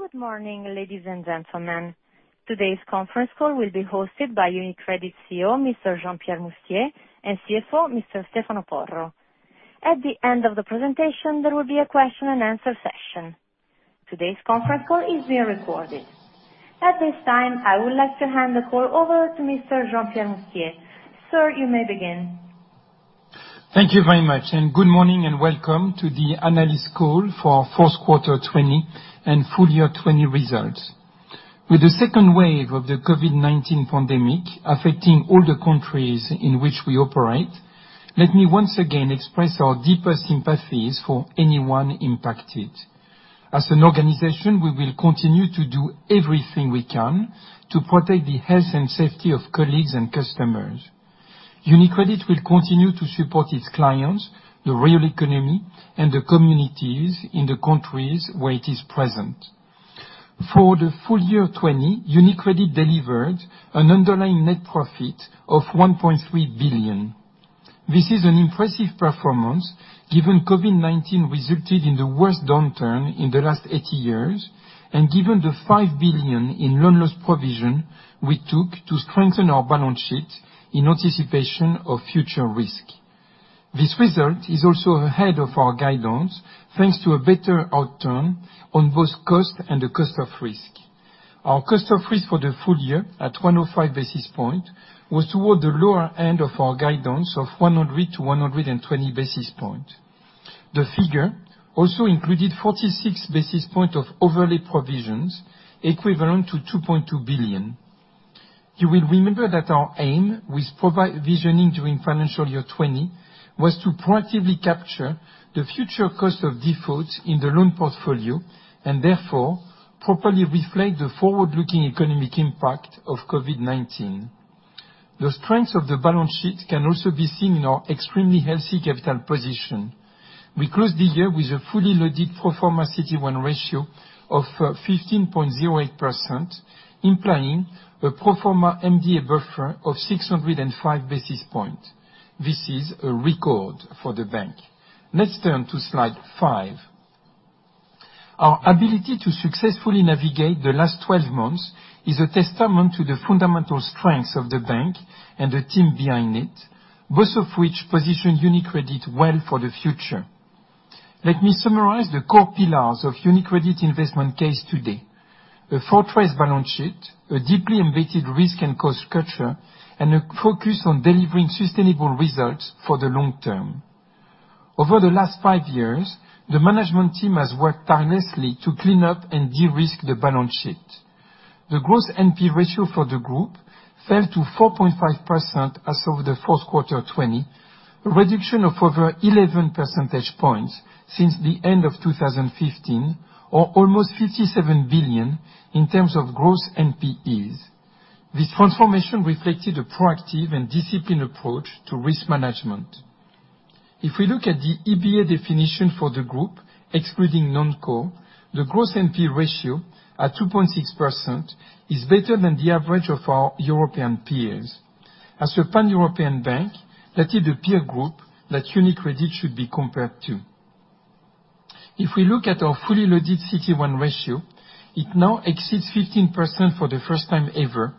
Good morning, ladies and gentlemen. Today's conference call will be hosted by UniCredit CEO, Mr. Jean-Pierre Mustier, and CFO, Mr. Stefano Porro. At the end of the presentation, there will be a question-and-answer session. Today's conference call is being recorded. At this time, I would like to hand the call over to Mr. Jean-Pierre Mustier. Sir, you may begin. Thank you very much. Good morning, and welcome to the analyst call for our Fourth Quarter 2020 and Full-Year 2020 Results. With the second wave of the COVID-19 pandemic affecting all the countries in which we operate, let me once again express our deepest sympathies for anyone impacted. As an organization, we will continue to do everything we can to protect the health and safety of colleagues and customers. UniCredit will continue to support its clients, the real economy, and the communities in the countries where it is present. For the full-year 2020, UniCredit delivered an underlying net profit of 1.3 billion. This is an impressive performance given COVID-19 resulted in the worst downturn in the last 80 years, given the 5 billion in loan loss provision we took to strengthen our balance sheet in anticipation of future risk. This result is also ahead of our guidance, thanks to a better outturn on both cost and the cost of risk. Our cost of risk for the full-year, at 105 basis points, was toward the lower end of our guidance of 100 to 120 basis points. The figure also included 46 basis points of overlay provisions, equivalent to 2.2 billion. You will remember that our aim with provisioning during financial year 2020 was to proactively capture the future cost of defaults in the loan portfolio, and therefore, properly reflect the forward-looking economic impact of COVID-19. The strength of the balance sheet can also be seen in our extremely healthy capital position. We closed the year with a fully-loaded pro forma CET1 ratio of 15.08%, implying a pro forma MDA buffer of 605 basis points. This is a record for the bank. Let's turn to slide five. Our ability to successfully navigate the last 12 months is a testament to the fundamental strengths of the bank and the team behind it, both of which position UniCredit well for the future. Let me summarize the core pillars of UniCredit investment case today. A fortress balance sheet, a deeply embedded risk and cost culture, and a focus on delivering sustainable results for the long term. Over the last five years, the management team has worked tirelessly to clean up and de-risk the balance sheet. The gross NPE ratio for the group fell to 4.5% as of the fourth quarter 2020, a reduction of over 11 percentage points since the end of 2015, or almost 57 billion in terms of gross NPEs. This transformation reflected a proactive and disciplined approach to risk management. If we look at the EBA definition for the group, excluding non-core, the gross NPE ratio at 2.6% is better than the average of our European peers. As a pan-European bank, that is the peer group that UniCredit should be compared to. If we look at our fully-loaded CET1 ratio, it now exceeds 15% for the first time ever,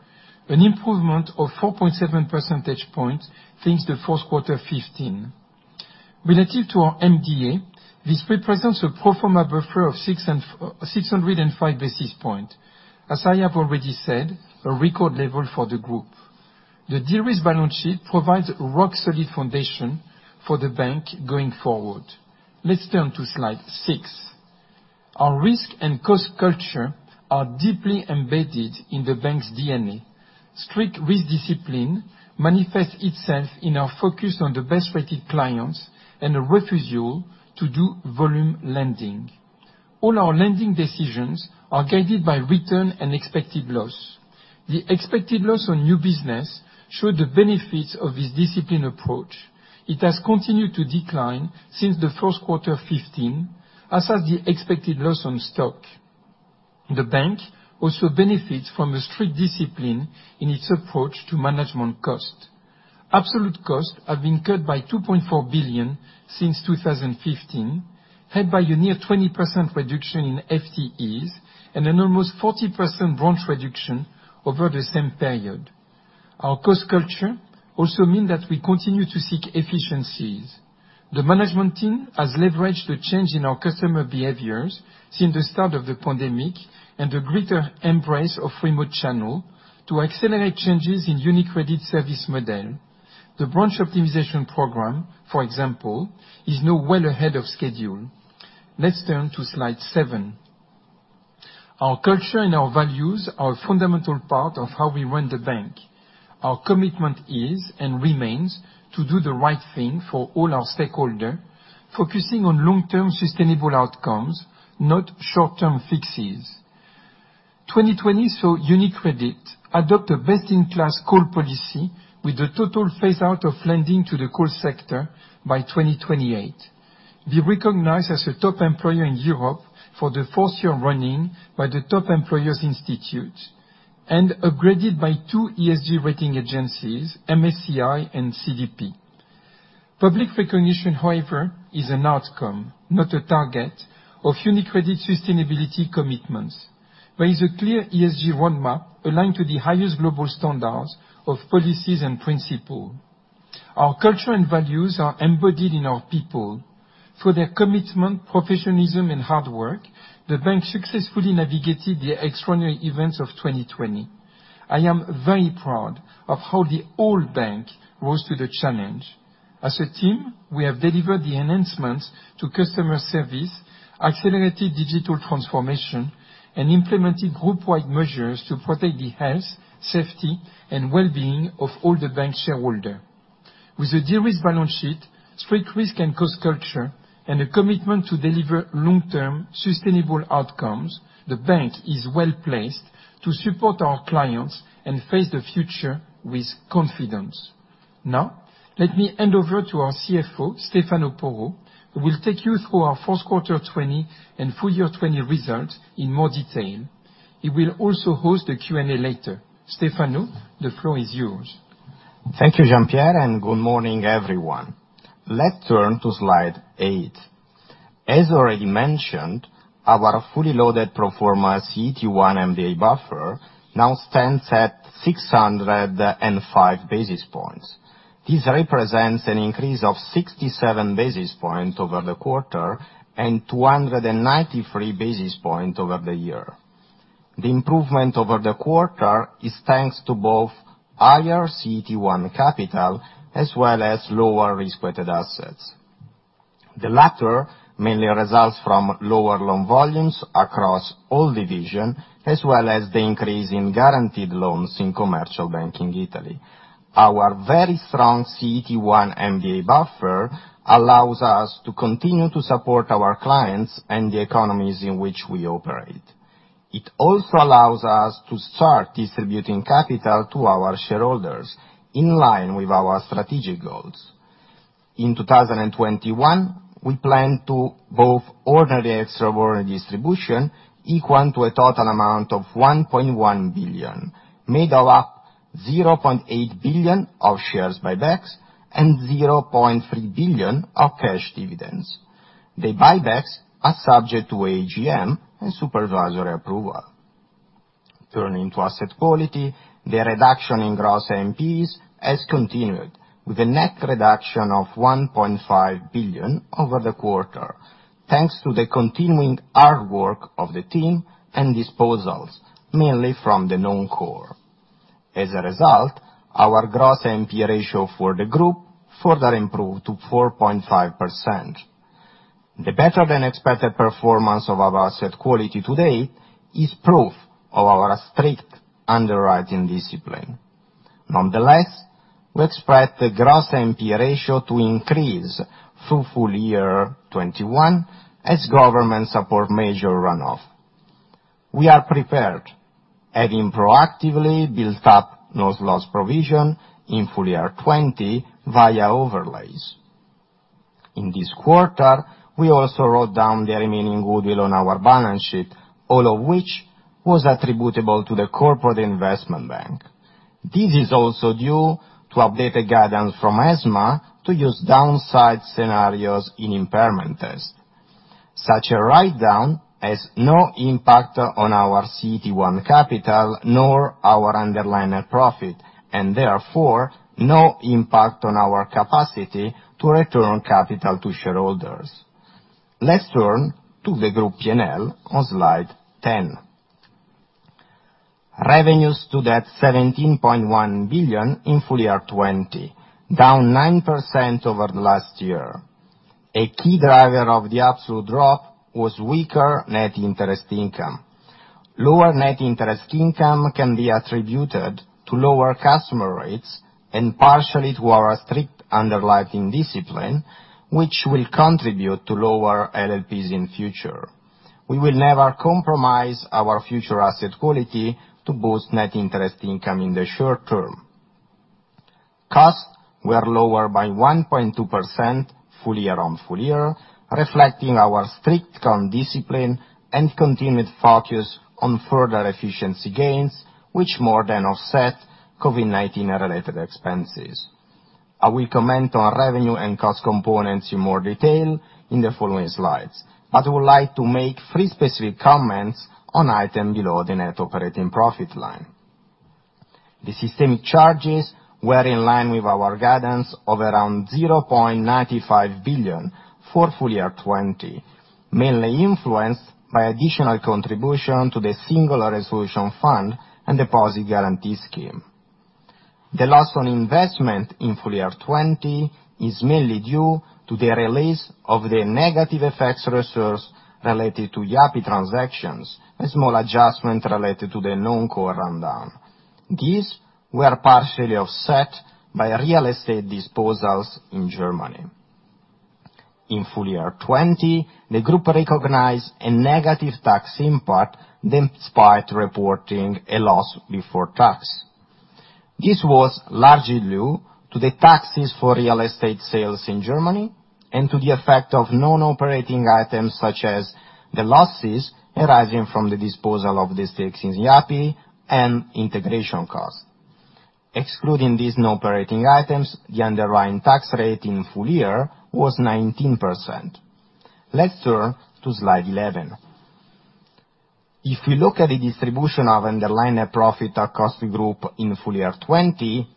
an improvement of 4.7 percentage points since the first quarter of 2015. Relative to our MDA, this represents a pro forma buffer of 605 basis points. As I have already said, a record level for the group. The de-risk balance sheet provides a rock-solid foundation for the bank going forward. Let's turn to slide six. Our risk and cost culture are deeply embedded in the bank's DNA. Strict risk discipline manifests itself in our focus on the best-rated clients and a refusal to do volume lending. All our lending decisions are guided by return and expected loss. The expected loss on new business showed the benefits of this disciplined approach. It has continued to decline since the first quarter of 2015, as has the expected loss on stock. The bank also benefits from a strict discipline in its approach to management cost. Absolute costs have been cut by 2.4 billion since 2015, helped by a near 20% reduction in FTEs, and an almost 40% branch reduction over the same period. Our cost culture also mean that we continue to seek efficiencies. The management team has leveraged the change in our customer behaviors since the start of the pandemic, and a greater embrace of remote channel to accelerate changes in UniCredit service model. The branch optimization program, for example, is now well ahead of schedule. Let's turn to slide seven. Our culture and our values are a fundamental part of how we run the bank. Our commitment is and remains to do the right thing for all our stakeholders, focusing on long-term sustainable outcomes, not short-term fixes. 2020 saw UniCredit adopt a best-in-class coal policy with the total phase-out of lending to the coal sector by 2028. Be recognized as a top employer in Europe for the fourth year running by the Top Employers Institute, and upgraded by two ESG rating agencies, MSCI and CDP. Public recognition, however, is an outcome, not a target, of UniCredit sustainability commitments. There is a clear ESG roadmap aligned to the highest global standards of policies and principles. Our culture and values are embodied in our people. Through their commitment, professionalism, and hard work, the bank successfully navigated the extraordinary events of 2020. I am very proud of how the whole bank rose to the challenge. As a team, we have delivered the enhancements to customer service, accelerated digital transformation, and implemented group-wide measures to protect the health, safety, and wellbeing of all the bank shareholder. With a de-risked balance sheet, strict risk and cost culture, and a commitment to deliver long-term sustainable outcomes, the bank is well-placed to support our clients and face the future with confidence. Now, let me hand over to our CFO, Stefano Porro, who will take you through our first quarter 2020 and full-year 2020 results in more detail. He will also host the Q&A later. Stefano, the floor is yours. Thank you, Jean-Pierre, and good morning, everyone. Let's turn to slide eight. As already mentioned, our fully loaded pro forma CET1 MDA buffer now stands at 605 basis points. This represents an increase of 67 basis points over the quarter, and 293 basis points over the year. The improvement over the quarter is thanks to both higher CET1 capital as well as lower risk-weighted assets. The latter mainly results from lower loan volumes across all divisions, as well as the increase in guaranteed loans in Commercial Banking Italy. Our very strong CET1 MDA buffer allows us to continue to support our clients and the economies in which we operate. It also allows us to start distributing capital to our shareholders, in line with our strategic goals. In 2021, we plan to both ordinary and extraordinary distribution, equating to a total amount of 1.1 billion, made of 0.8 billion of shares buybacks and 0.3 billion of cash dividends. The buybacks are subject to AGM and supervisory approval. Turning to asset quality, the reduction in gross NPEs has continued with a net reduction of 1.5 billion over the quarter, thanks to the continuing hard work of the team and disposals, mainly from the non-core. As a result, our gross NPE ratio for the group further improved to 4.5%. The better-than-expected performance of our asset quality to date is proof of our strict underwriting discipline. Nonetheless, we expect the gross NPE ratio to increase through full-year 2021 as government support measure run off. We are prepared, having proactively built up loan loss provisions in full-year 2020 via overlays. In this quarter, we also wrote down the remaining goodwill on our balance sheet, all of which was attributable to the Corporate Investment Bank. This is also due to updated guidance from ESMA to use downside scenarios in impairment tests. Such a write-down has no impact on our CET1 capital, nor our underlying profit, and therefore, no impact on our capacity to return capital to shareholders. Let's turn to the group P&L on slide 10. Revenues stood at 17.1 billion in full-year 2020, down 9% over last year. A key driver of the absolute drop was weaker Net Interest Income. Lower Net Interest Income can be attributed to lower customer rates and partially to our strict underlying discipline, which will contribute to lower LLPs in future. We will never compromise our future asset quality to boost Net Interest Income in the short term. Costs were lower by 1.2% full-year on full-year, reflecting our strict cost discipline and continued focus on further efficiency gains, which more than offset COVID-19 related expenses. I will comment on revenue and cost components in more detail in the following slides, but I would like to make three specific comments on items below the net operating profit line. The systemic charges were in line with our guidance of around 0.95 billion for FY 2020, mainly influenced by additional contribution to the Single Resolution Fund and Deposit Guarantee Scheme. The loss on investment in FY 2020 is mainly due to the release of the negative FX reserve related to Yapı Kredi transactions, a small adjustment related to the non-core rundown. These were partially offset by real estate disposals in Germany. In FY 2020, the group recognized a negative tax impact despite reporting a loss before tax. This was largely due to the taxes for real estate sales in Germany. To the effect of non-operating items, such as the losses arising from the disposal of the stakes in Yapı and integration cost. Excluding these non-operating items, the underlying tax rate in full-year was 19%. Let's turn to slide 11. If we look at the distribution of underlying profit across the group in full-year 2020,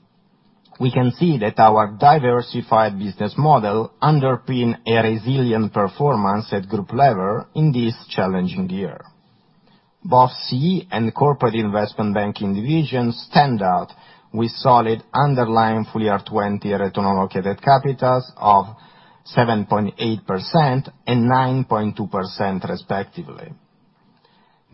we can see that our diversified business model underpin a resilient performance at group level in this challenging year. Both CEE and corporate investment banking division stand out, with solid underlying full-year 2020 return on allocated capital of 7.8% and 9.2% respectively.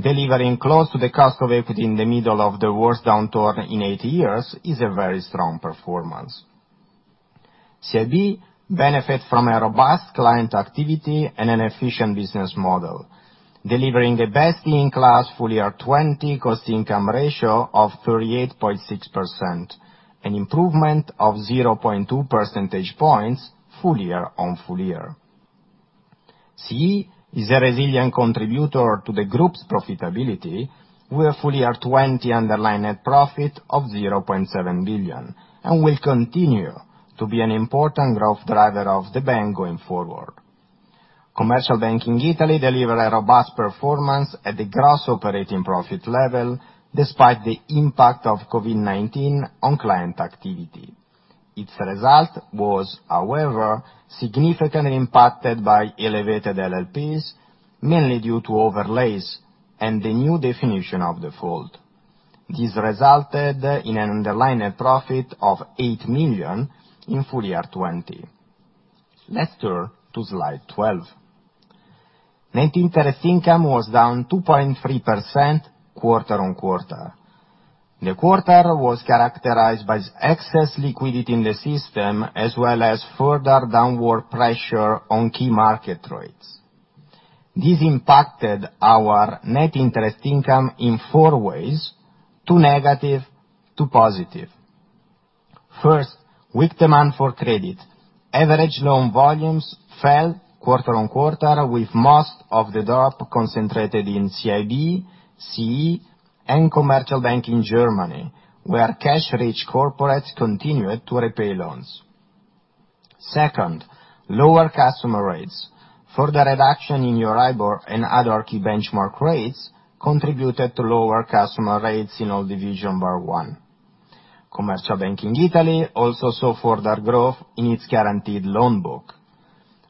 Delivering close to the cost of equity in the middle of the worst downturn in 80 years is a very strong performance. CIB benefit from a robust client activity and an efficient business model, delivering the best-in-class full-year 2020 cost income ratio of 38.6%, an improvement of 0.2% points year-on-full-year. CEE is a resilient contributor to the group's profitability, with a full-year 2020 underlying net profit of 7.0 billion. Will continue to be an important growth driver of the bank going forward. Commercial Banking Italy deliver a robust performance at the gross operating profit level, despite the impact of COVID-19 on client activity. Its result was, however, significantly impacted by elevated LLPs, mainly due to overlays and the New Definition of Default. This resulted in an underlying profit of 8 million in full-year 2020. Let's turn to slide 12. Net Interest Income was down 2.3% quarter-on-quarter. The quarter was characterized by excess liquidity in the system as well as further downward pressure on key market rates. This impacted our net interest income in 4 ways, two negative, two positive. First, weak demand for credit. Average loan volumes fell quarter-on-quarter, with most of the drop concentrated in CIB, CEE, and Commercial Banking Germany, where cash-rich corporates continued to repay loans. Second, lower customer rates. Further reduction in EURIBOR and other key benchmark rates contributed to lower customer rates in all division bar one. Commercial Banking Italy also saw further growth in its guaranteed loan book.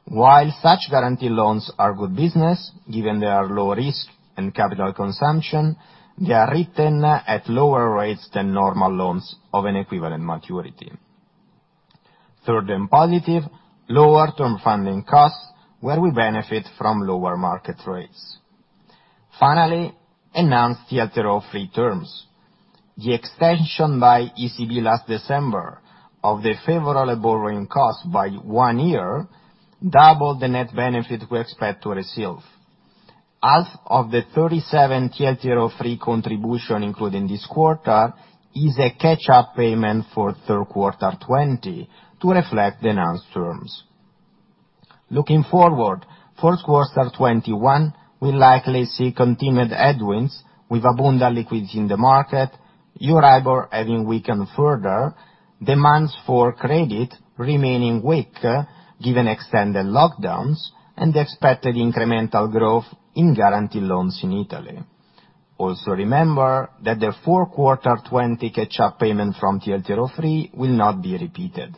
While such guaranteed loans are good business, given their low risk and capital consumption, they are written at lower rates than normal loans of an equivalent maturity. Third and positive, lower term funding costs where we benefit from lower market rates. Finally, enhanced TLTRO III terms. The extension by ECB last December of the favorable borrowing cost by one year doubled the net benefit we expect to receive. The 37 TLTRO III contribution, including this quarter, is a catch-up payment for third quarter 2020 to reflect the announced terms. Looking forward, first quarter 2021 will likely see continued headwinds with abundant liquidity in the market, Euribor having weakened further, demands for credit remaining weak given extended lockdowns, and expected incremental growth in guaranteed loans in Italy. Remember that the fourth quarter 2020 catch-up payment from TLTRO III will not be repeated.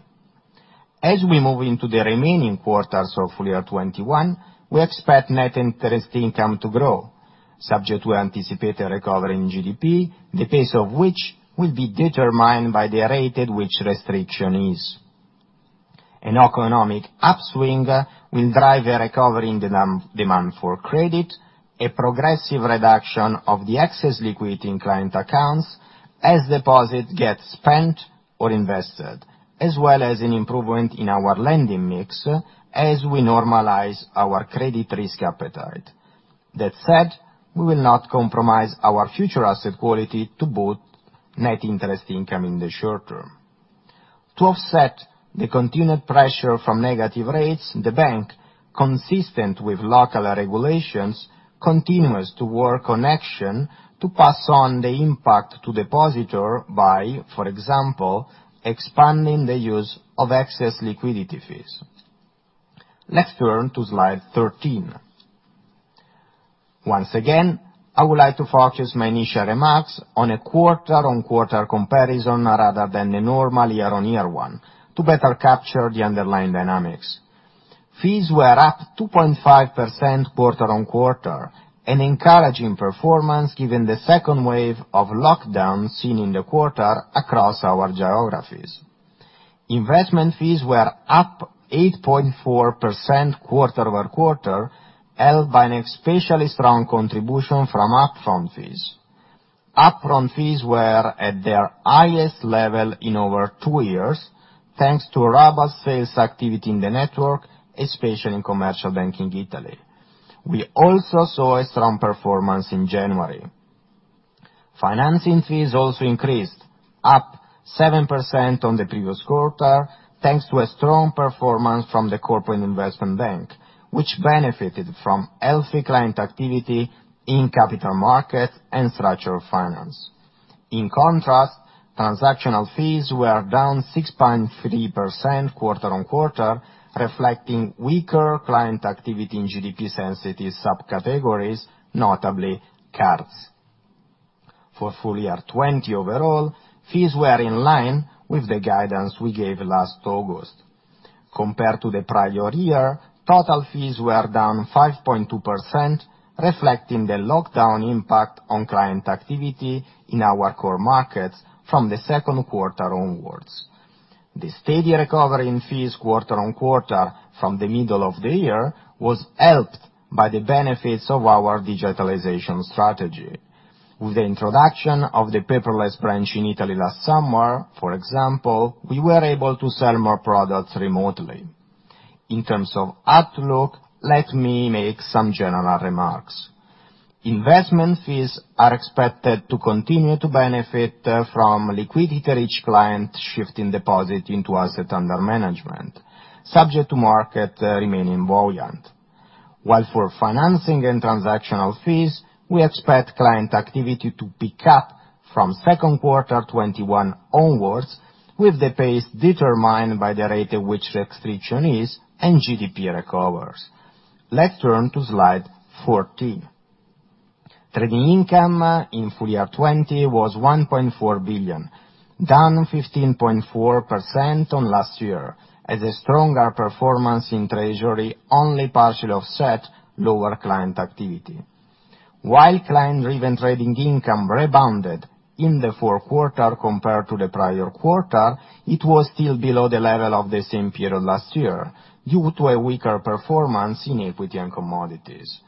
We move into the remaining quarters of full-year 2021, we expect net interest income to grow, subject to anticipated recovery in GDP, the pace of which will be determined by the rate at which restrictions ease. An economic upswing will drive a recovery in demand for credit, a progressive reduction of the excess liquidity in client accounts as deposits get spent or invested, as well as an improvement in our lending mix as we normalize our credit risk appetite. That said, we will not compromise our future asset quality to boost net interest income in the short term. To offset the continued pressure from negative rates, the bank, consistent with local regulations, continues to work on action to pass on the impact to depositor by, for example, expanding the use of excess liquidity fees. Let's turn to slide 13. Once again, I would like to focus my initial remarks on a quarter-on-quarter comparison rather than the normal year-on-year one to better capture the underlying dynamics. Fees were up 2.5% quarter on quarter, an encouraging performance given the second wave of lockdowns seen in the quarter across our geographies. Investment fees were up 8.4% quarter over quarter, helped by an especially strong contribution from upfront fees. Upfront fees were at their highest level in over two years, thanks to robust sales activity in the network, especially in Commercial Banking Italy. We also saw a strong performance in January. Financing fees also increased, up 7% on the previous quarter, thanks to a strong performance from the corporate investment bank, which benefited from healthy client activity in capital markets and structured finance. In contrast, transactional fees were down 6.3% quarter on quarter, reflecting weaker client activity in GDP-sensitive subcategories, notably cards. For full-year 2020 overall, fees were in line with the guidance we gave last August. Compared to the prior year, total fees were down 5.2%, reflecting the lockdown impact on client activity in our core markets from the second quarter onwards. The steady recovery in fees quarter-on-quarter from the middle of the year was helped by the benefits of our digitalization strategy. With the introduction of the paperless branch in Italy last summer, for example, we were able to sell more products remotely. In terms of outlook, let me make some general remarks. Investment fees are expected to continue to benefit from liquidity to reach clients shifting deposits into assets under management, subject to market remaining buoyant. While for financing and transactional fees, we expect client activity to pick up from second quarter 2021 onwards, with the pace determined by the rate at which restriction ease and GDP recovers. Let's turn to slide 14. Trading income in full-year 2020 was 1.4 billion, down 15.4% on last year, as a stronger performance in treasury only partially offset lower client activity. While client-driven trading income rebounded in the fourth quarter compared to the prior quarter, it was still below the level of the same period last year, due to a weaker performance in equity and commodities.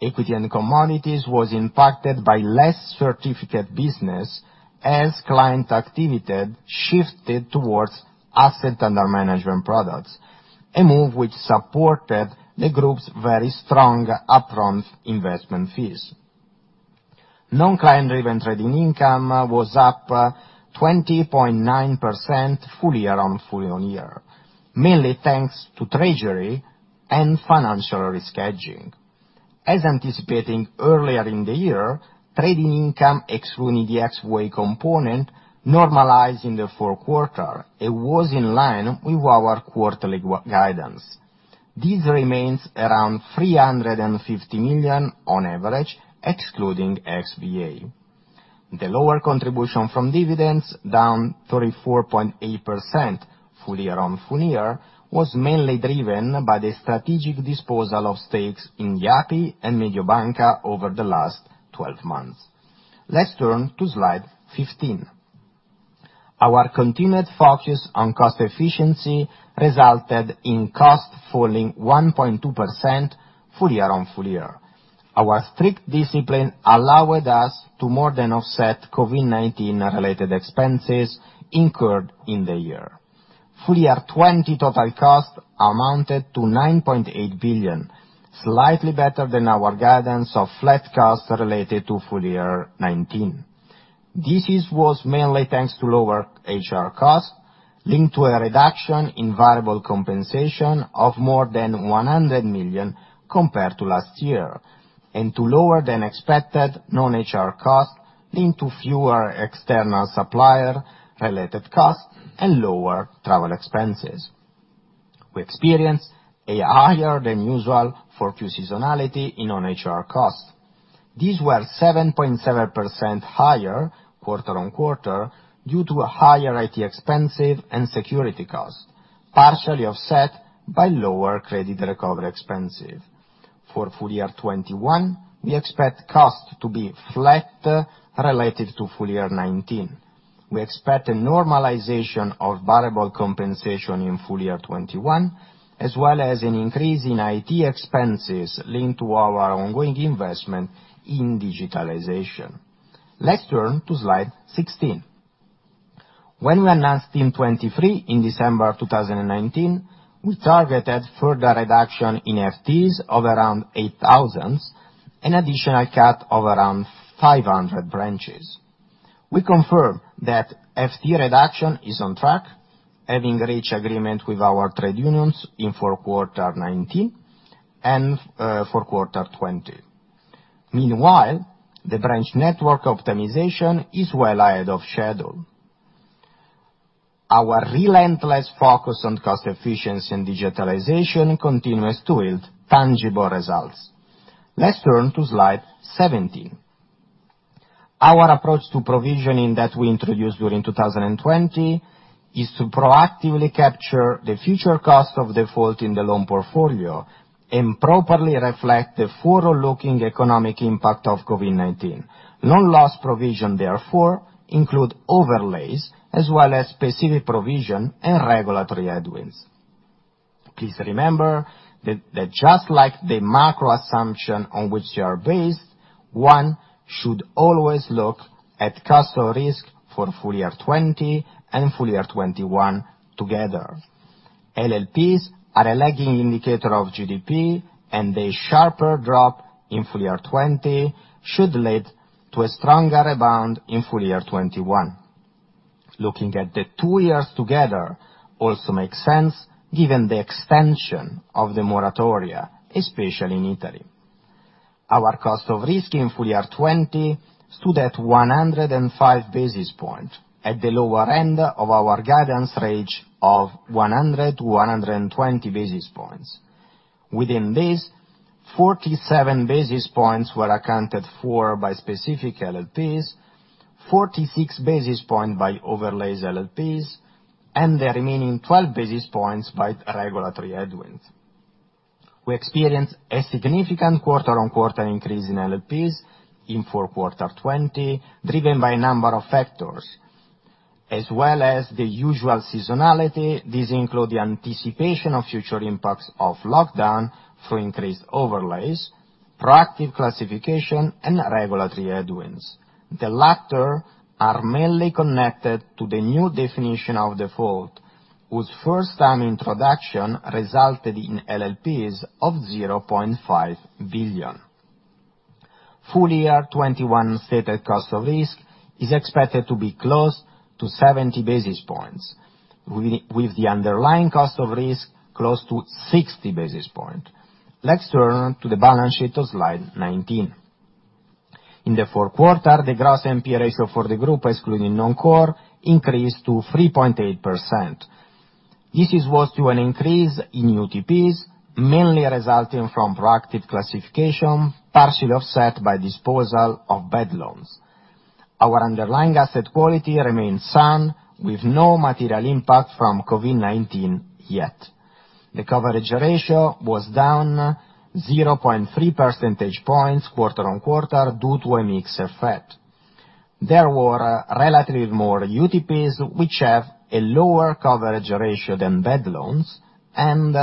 Equity and commodities was impacted by less certificate business as client activity shifted towards assets under management products, a move which supported the group's very strong upfront investment fees. Non-client driven trading income was up 20.9% full-year on full-year, mainly thanks to treasury and financial risk hedging. As anticipating earlier in the year, trading income excluding the XVA component normalized in the fourth quarter and was in line with our quarterly guidance. This remains around 350 million on average, excluding XVA. The lower contribution from dividends, down 34.8% full-year on full-year, was mainly driven by the strategic disposal of stakes in Yapi and Mediobanca over the last 12 months. Let's turn to slide 15. Our continued focus on cost efficiency resulted in cost falling 1.2% full-year on full-year. Our strict discipline allowed us to more than offset COVID-19 related expenses incurred in the year. full-year 2020 total cost amounted to 9.8 billion, slightly better than our guidance of flat costs related to full-year 2019. This was mainly thanks to lower HR costs linked to a reduction in variable compensation of more than 100 million compared to last year, and to lower than expected non-HR costs linked to fewer external supplier-related costs and lower travel expenses. We experienced a higher than usual full view seasonality in non-HR costs. These were 7.7% higher quarter-on-quarter due to higher IT expenses and security costs, partially offset by lower credit recovery expenses. For full-year 2021, we expect costs to be flat related to full-year 2019. We expect a normalization of variable compensation in full-year 2021, as well as an increase in IT expenses linked to our ongoing investment in digitalization. Let's turn to slide 16. When we announced Team 23 in December 2019, we targeted further reduction in FTEs of around 8,000, an additional cut of around 500 branches. We confirm that FTE reduction is on track, having reached agreement with our trade unions in fourth quarter 2019 and fourth quarter 2020. Meanwhile, the branch network optimization is well ahead of schedule. Our relentless focus on cost efficiency and digitalization continues to yield tangible results. Let's turn to slide 17. Our approach to provisioning that we introduced during 2020 is to proactively capture the future cost of default in the loan portfolio and properly reflect the forward-looking economic impact of COVID-19. Loan loss provision, therefore, include overlays as well as specific provision and regulatory headwinds. Please remember that just like the macro assumption on which they are based, one should always look at cost of risk for full-year 2020 and full-year 2021 together. LLPs are a lagging indicator of GDP, and a sharper drop in full-year 2020 should lead to a stronger rebound in full-year 2021. Looking at the two years together also makes sense given the extension of the moratoria, especially in Italy. Our cost of risk in full-year 2020 stood at 105 basis points, at the lower end of our guidance range of 100-120 basis points. Within this, 47 basis points were accounted for by specific LLPs, 46 basis points by overlays LLPs, and the remaining 12 basis points by regulatory headwinds. We experienced a significant quarter-on-quarter increase in LLPs in fourth quarter 2020, driven by a number of factors. As well as the usual seasonality, these include the anticipation of future impacts of lockdown through increased overlays, proactive classification, and regulatory headwinds. The latter are mainly connected to the New Definition of Default, whose first time introduction resulted in LLPs of 0.5 billion. Full-year 2021 stated cost of risk is expected to be close to 70 basis points, with the underlying cost of risk close to 60 basis points. Let's turn to the balance sheet of slide 19. In the fourth quarter, the gross NPE ratio for the group, excluding non-core, increased to 3.8%. This is due to an increase in UTPs, mainly resulting from proactive classification, partially offset by disposal of bad loans. Our underlying asset quality remains sound, with no material impact from COVID-19 yet. The coverage ratio was down 0.3% points quarter-on-quarter due to a mix effect. There were relatively more UTPs, which have a lower coverage ratio than bad loans, and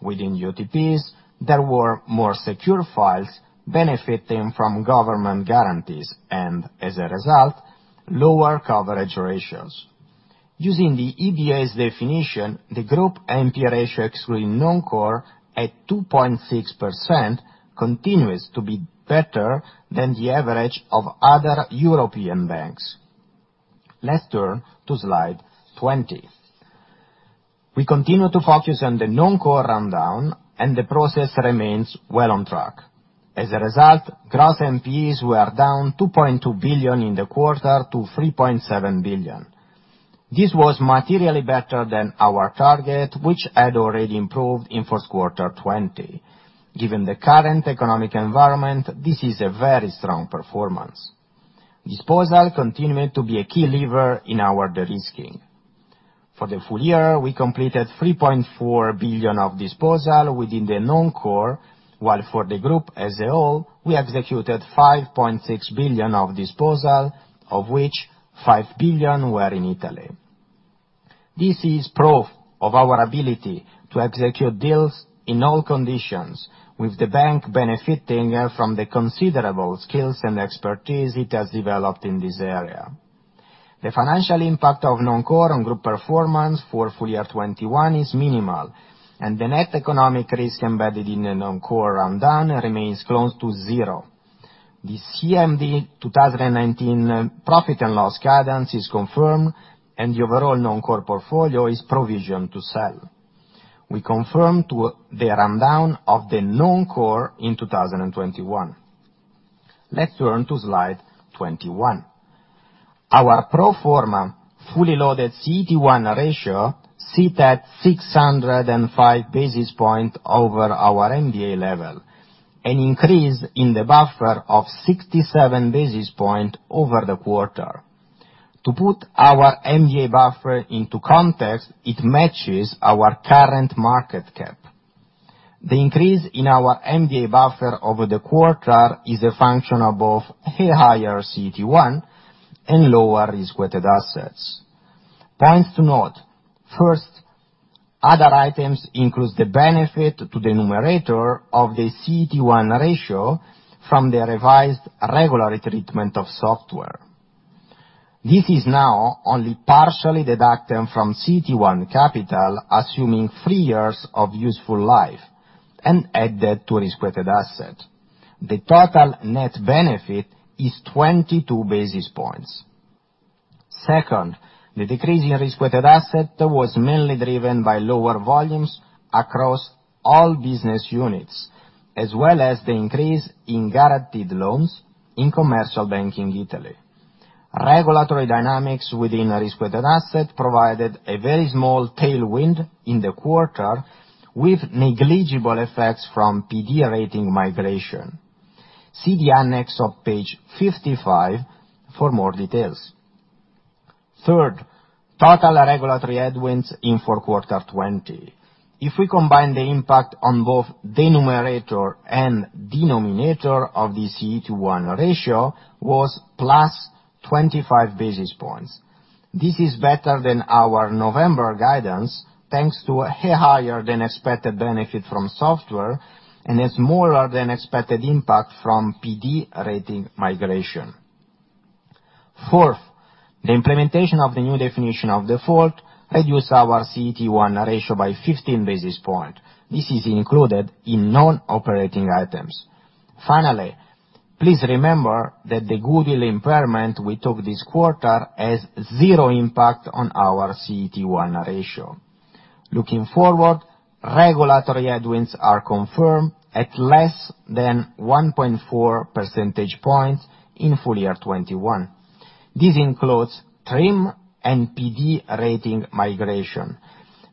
within UTPs, there were more secure files benefiting from government guarantees, and as a result, lower coverage ratios. Using the EBA's definition, the group NPE ratio excluding non-core at 2.6% continues to be better than the average of other European banks. Let's turn to slide 20. We continue to focus on the non-core rundown, and the process remains well on track. As a result, gross NPEs were down 2.2 billion in the quarter to 3.7 billion. This was materially better than our target, which had already improved in first quarter 2020. Given the current economic environment, this is a very strong performance. Disposal continued to be a key lever in our de-risking. For the full-year, we completed 3.4 billion of disposal within the non-core, while for the group as a whole, we executed 5.6 billion of disposal, of which 5 billion were in Italy. This is proof of our ability to execute deals in all conditions, with the bank benefiting from the considerable skills and expertise it has developed in this area. The financial impact of non-core on group performance for full-year 2021 is minimal, and the net economic risk embedded in a non-core rundown remains close to zero. This CMD 2019 profit and loss guidance is confirmed, and the overall non-core portfolio is provision to sell. We confirm to the rundown of the non-core in 2021. Let's turn to slide 21. Our pro forma fully loaded CET1 ratio sit at 605 basis point over our MDA level, an increase in the buffer of 67 basis point over the quarter. To put our MDA buffer into context, it matches our current market cap. The increase in our MDA buffer over the quarter is a function of both a higher CET1 and lower risk-weighted assets. Points to note. First, other items includes the benefit to the numerator of the CET1 ratio from the revised regulatory treatment of software. This is now only partially deducted from CET1 capital, assuming three years of useful life and added to risk-weighted asset. The total net benefit is 22 basis points. Second, the decrease in risk-weighted asset was mainly driven by lower volumes across all business units, as well as the increase in guaranteed loans in Commercial Banking Italy. Regulatory dynamics within a risk-weighted asset provided a very small tailwind in the quarter, with negligible effects from PD rating migration. See the annex of page 55 for more details. Third, total regulatory headwinds in the quarter 2020. If we combine the impact on both the numerator and denominator of the CET1 ratio was +25 basis points. This is better than our November guidance, thanks to a higher than expected benefit from software and a smaller than expected impact from PD rating migration. Fourth, the implementation of the New Definition of Default reduced our CET1 ratio by 15 basis points. This is included in non-operating items. Finally, please remember that the goodwill impairment we took this quarter has zero impact on our CET1 ratio. Looking forward, regulatory headwinds are confirmed at less than 1.4% points in full-year 2021. This includes TRIM and PD rating migration.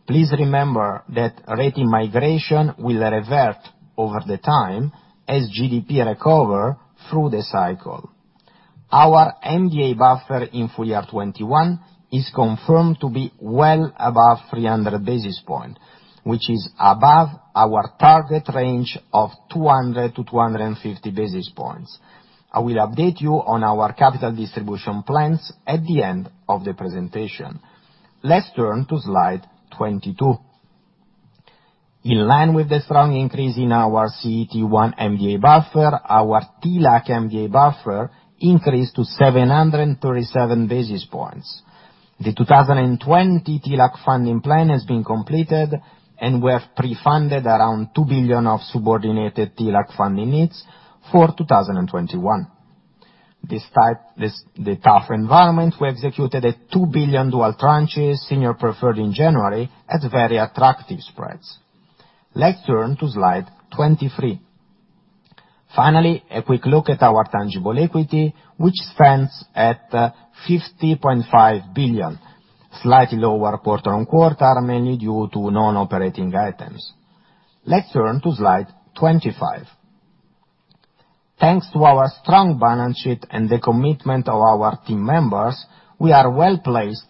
Please remember that rating migration will revert over the time as GDP recover through the cycle. Our MDA buffer in full-year 2021 is confirmed to be well above 300 basis points, which is above our target range of 200-250 basis points. I will update you on our capital distribution plans at the end of the presentation. Let's turn to slide 22. In line with the strong increase in our CET1 MDA buffer, our TLAC MDA buffer increased to 737 basis points. The 2020 TLAC funding plan has been completed. We have pre-funded around 2 billion of subordinated TLAC funding needs for 2021. Despite the tough environment, we executed at 2 billion dual tranches, senior preferred in January at very attractive spreads. Let's turn to slide 23. Finally, a quick look at our tangible equity, which stands at 50.5 billion, slightly lower quarter-on-quarter, mainly due to non-operating items. Let's turn to slide 25. Thanks to our strong balance sheet and the commitment of our team members, we are well-placed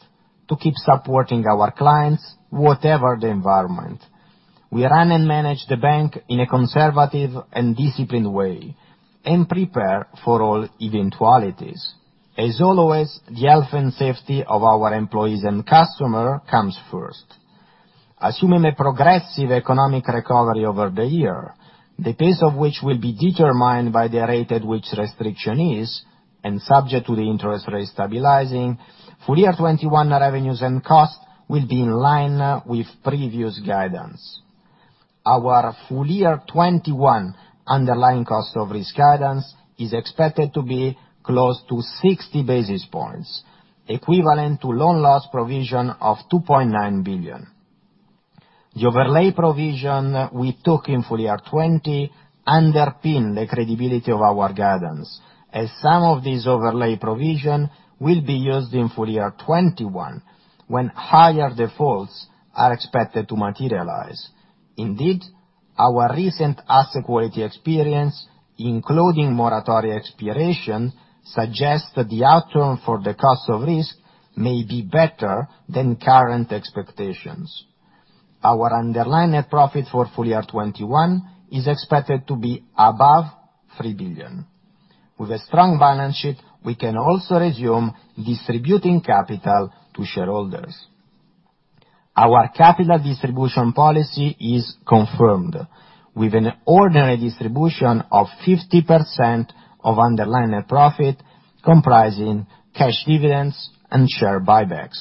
to keep supporting our clients, whatever the environment. We run and manage the bank in a conservative and disciplined way, and prepare for all eventualities. As always, the health and safety of our employees and customer comes first. Assuming a progressive economic recovery over the year, the pace of which will be determined by the rate at which restrictions ease, and subject to the interest rate stabilizing, full-year 2021 revenues and costs will be in line with previous guidance. Our full-year 2021 underlying cost of risk guidance is expected to be close to 60 basis points, equivalent to Loan Loss Provision of 2.9 billion. The overlay provision we took in full-year 2020 underpin the credibility of our guidance, as some of these overlay provision will be used in full-year 2021, when higher defaults are expected to materialize. Indeed, our recent asset quality experience, including moratoria expiration, suggests that the outcome for the cost of risk may be better than current expectations. Our underlying net profit for full-year 2021 is expected to be above 3 billion. With a strong balance sheet, we can also resume distributing capital to shareholders. Our capital distribution policy is confirmed, with an ordinary distribution of 50% of underlying net profit, comprising cash dividends and share buybacks.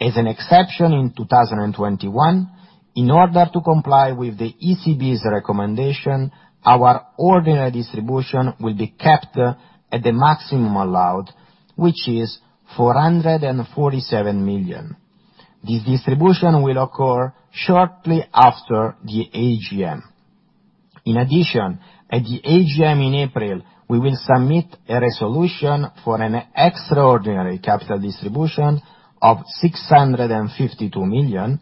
As an exception in 2021, in order to comply with the ECB's recommendation, our ordinary distribution will be kept at the maximum allowed, which is 447 million. This distribution will occur shortly after the AGM. In addition, at the AGM in April, we will submit a resolution for an extraordinary capital distribution of 652 million,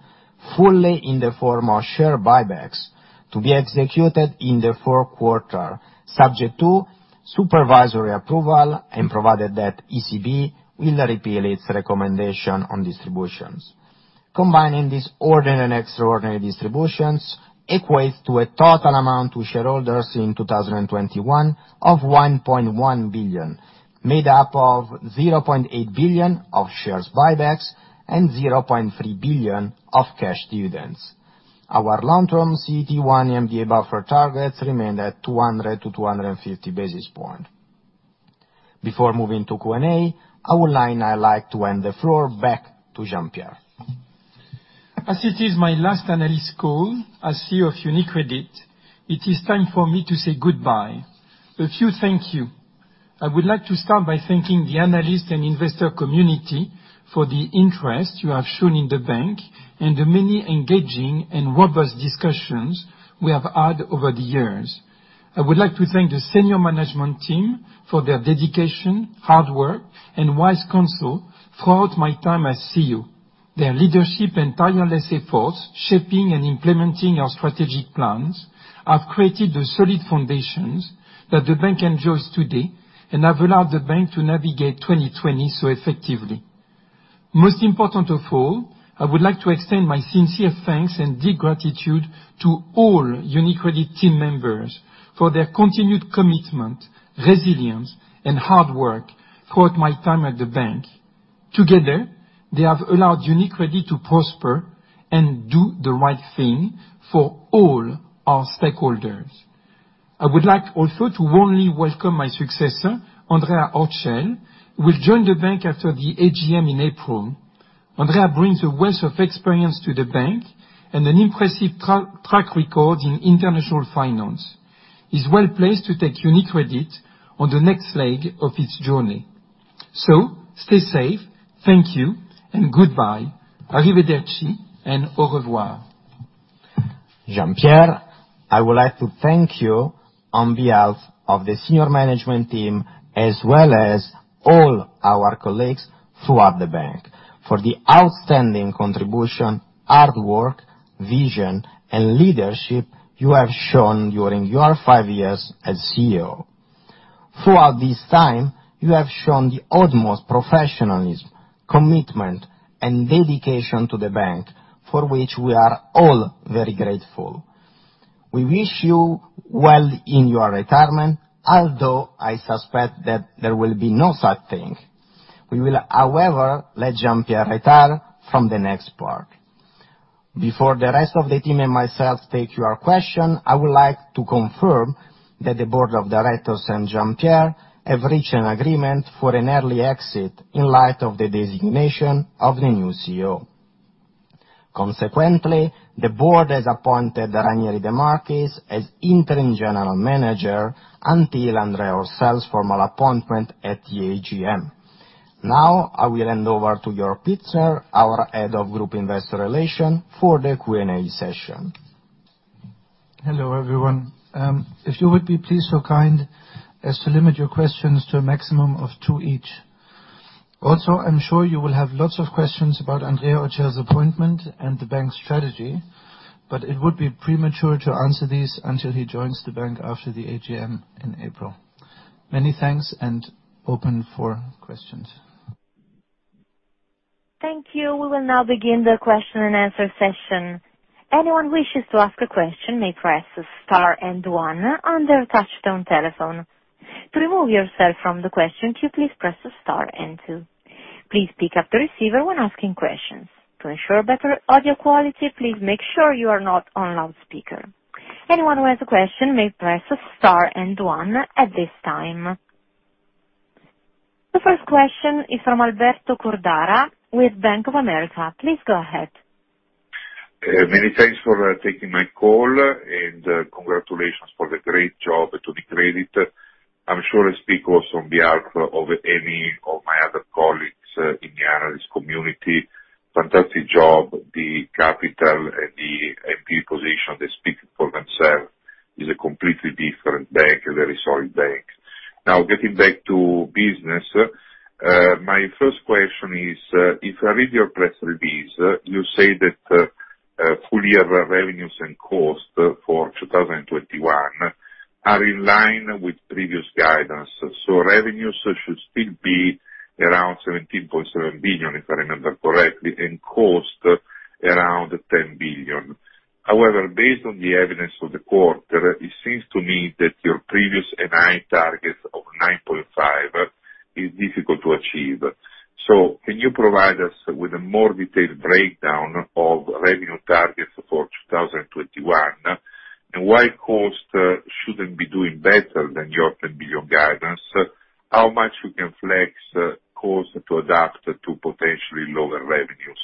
fully in the form of share buybacks to be executed in the fourth quarter, subject to supervisory approval and provided that ECB will repeal its recommendation on distributions. Combining these ordinary and extraordinary distributions equates to a total amount to shareholders in 2021 of 1.1 billion, made up of 0.8 billion of shares buybacks and 0.3 billion of cash dividends. Our long-term CET1 MDA buffer targets remain at 200 to 250 basis points. Before moving to Q&A, I would now like to hand the floor back to Jean-Pierre. As it is my last analyst call as CEO of UniCredit, it is time for me to say goodbye. A few thank you. I would like to start by thanking the analyst and investor community for the interest you have shown in the bank and the many engaging and robust discussions we have had over the years. I would like to thank the senior management team for their dedication, hard work, and wise counsel throughout my time as CEO. Their leadership and tireless efforts shaping and implementing our strategic plans have created the solid foundations that the bank enjoys today and have allowed the bank to navigate 2020 so effectively. Most important of all, I would like to extend my sincere thanks and deep gratitude to all UniCredit team members for their continued commitment, resilience, and hard work throughout my time at the bank. Together, they have allowed UniCredit to prosper and do the right thing for all our stakeholders. I would like also to warmly welcome my successor, Andrea Orcel, who will join the bank after the AGM in April. Andrea brings a wealth of experience to the bank and an impressive track record in international finance. He's well-placed to take UniCredit on the next leg of its journey. Stay safe, thank you, and goodbye. Jean-Pierre, I would like to thank you on behalf of the senior management team, as well as all our colleagues throughout the bank, for the outstanding contribution, hard work, vision, and leadership you have shown during your five years as CEO. Throughout this time, you have shown the utmost professionalism, commitment, and dedication to the bank, for which we are all very grateful. We wish you well in your retirement, although I suspect that there will be no such thing. We will, however, let Jean-Pierre retire from the next part. Before the rest of the team and myself take your question, I would like to confirm that the board of directors and Jean-Pierre have reached an agreement for an early exit in light of the designation of the new CEO. Consequently, the board has appointed Ranieri de Marchis as Interim General Manager until Andrea Orcel's formal appointment at the AGM. Now, I will hand over to Jörg Pietzner, our Head of Group Investor Relations for the Q&A session. Hello, everyone. If you would be please so kind as to limit your questions to a maximum of two each. I'm sure you will have lots of questions about Andrea Orcel's appointment and the bank strategy, but it would be premature to answer these until he joins the bank after the AGM in April. Many thanks, open for questions. Thank you. We will now begin the question-and-answer session. The first question is from Alberto Cordara with Bank of America. Please go ahead. Many thanks for taking my call. Congratulations for the great job to UniCredit. I am sure I speak also on behalf of any of my other colleagues in the analyst community. Fantastic job. The capital and the MREL position, they speak for themselves, is a completely different bank, a very solid bank. Getting back to business. My first question is, if I read your press release, you say that full-year revenues and costs for 2021 are in line with previous guidance. Revenues should still be around 17.7 billion, if I remember correctly, and costs around 10 billion. Based on the evidence for the quarter, it seems to me that your previous NII targets of 9.5 billion is difficult to achieve. Can you provide us with a more detailed breakdown of revenue targets for 2021, and why costs shouldn't be doing better than your 10 billion guidance? How much you can flex cost to adapt to potentially lower revenues.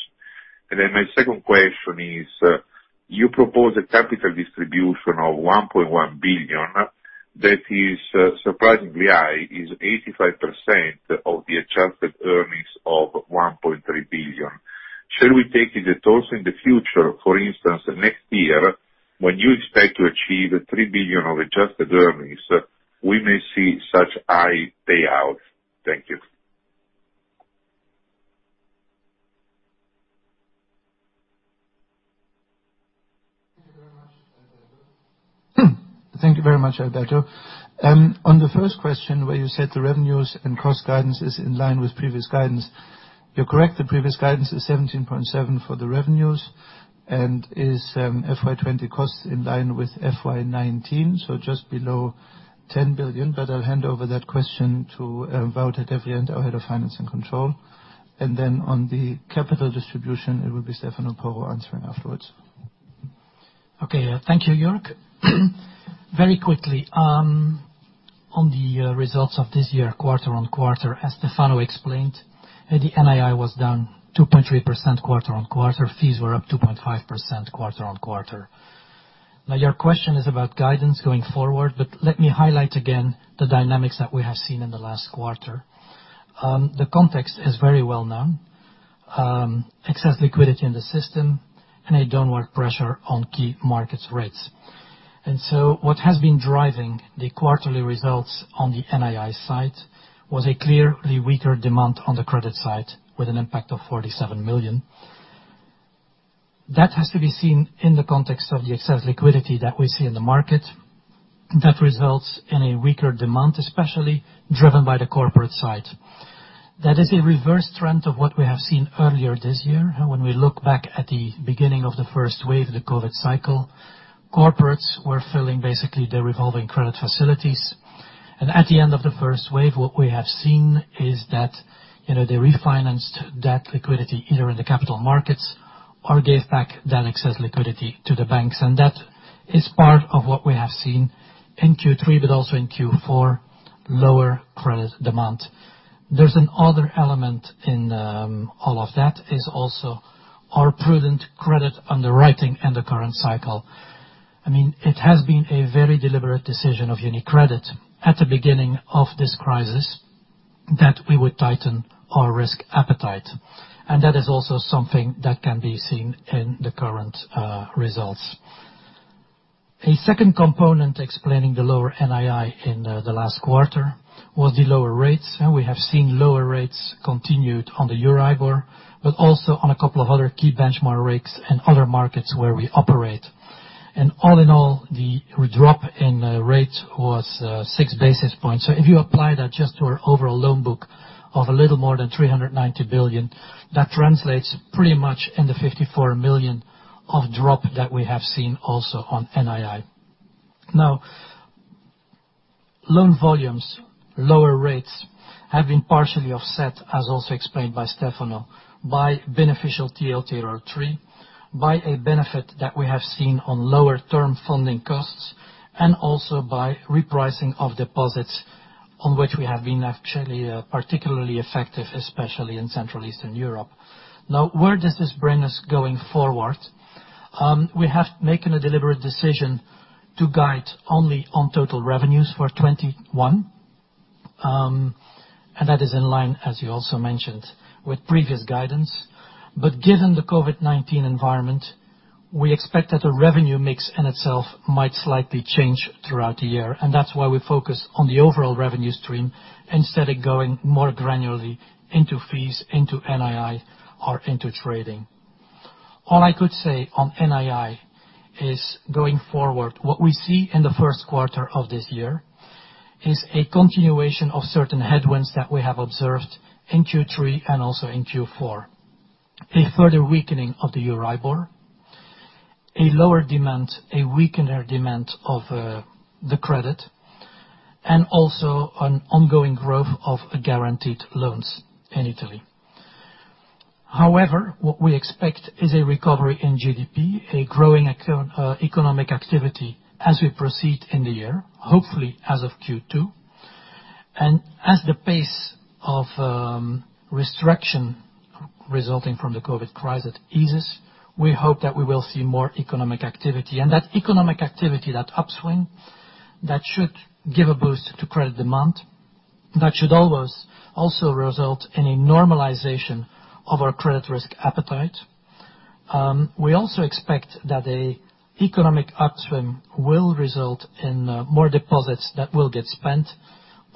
My second question is, you propose a capital distribution of 1.1 billion. That is surprisingly high, is 85% of the adjusted earnings of 1.3 billion. Shall we take it that also in the future, for instance, next year, when you expect to achieve 3 billion of adjusted earnings, we may see such high payouts? Thank you. Thank you very much, Alberto. On the first question, where you said the revenues and cost guidance is in line with previous guidance, you're correct. The previous guidance is 17.7 for the revenues and is FY 2020 costs in line with FY 2019, so just below 10 billion. I'll hand over that question to Wouter Devriendt, our Head of Finance and Control. On the capital distribution, it will be Stefano Porro answering afterwards. Okay. Thank you, Jörg. Very quickly, on the results of this year, quarter-on-quarter, as Stefano explained, the NII was down 2.3% quarter-on-quarter. Fees were up 2.5% quarter-on-quarter. Your question is about guidance going forward, let me highlight again the dynamics that we have seen in the last quarter. The context is very well known. Excess liquidity in the system and a downward pressure on key markets rates. What has been driving the quarterly results on the NII side was a clearly weaker demand on the credit side with an impact of 47 million. That has to be seen in the context of the excess liquidity that we see in the market. That results in a weaker demand, especially driven by the corporate side. That is a reverse trend of what we have seen earlier this year. When we look back at the beginning of the first wave, the COVID cycle, corporates were filling basically their revolving credit facilities. At the end of the first wave, what we have seen is that they refinanced that liquidity either in the capital markets or gave back that excess liquidity to the banks. That is part of what we have seen in Q3, but also in Q4, lower credit demand. There's another element in all of that, is also our prudent credit underwriting in the current cycle. It has been a very deliberate decision of UniCredit at the beginning of this crisis that we would tighten our risk appetite. That is also something that can be seen in the current results. A second component explaining the lower NII in the last quarter was the lower rates. We have seen lower rates continued on the EURIBOR, but also on a couple of other key benchmark rates in other markets where we operate. All in all, the drop in rates was six basis points. If you apply that just to our overall loan book of a little more than 390 billion, that translates pretty much in the 54 million of drop that we have seen also on NII. Loan volumes, lower rates, have been partially offset, as also explained by Stefano, by beneficial TLTRO III, by a benefit that we have seen on lower term funding costs, and also by repricing of deposits, on which we have been actually particularly effective, especially in Central Eastern Europe. Where does this bring us going forward? We have making a deliberate decision to guide only on total revenues for 2021. That is in line, as you also mentioned, with previous guidance. Given the COVID-19 environment, we expect that the revenue mix in itself might slightly change throughout the year. That's why we focus on the overall revenue stream instead of going more granularly into fees, into NII, or into trading. All I could say on NII is, going forward, what we see in the first quarter of this year is a continuation of certain headwinds that we have observed in Q3 and also in Q4. A further weakening of the EURIBOR, a weaker demand of the credit, and also an ongoing growth of guaranteed loans in Italy. However, what we expect is a recovery in GDP, a growing economic activity as we proceed in the year, hopefully as of Q2. As the pace of restriction resulting from the COVID crisis eases, we hope that we will see more economic activity. That economic activity, that upswing, that should give a boost to credit demand. That should also result in a normalization of our credit risk appetite. We also expect that a economic upswing will result in more deposits that will get spent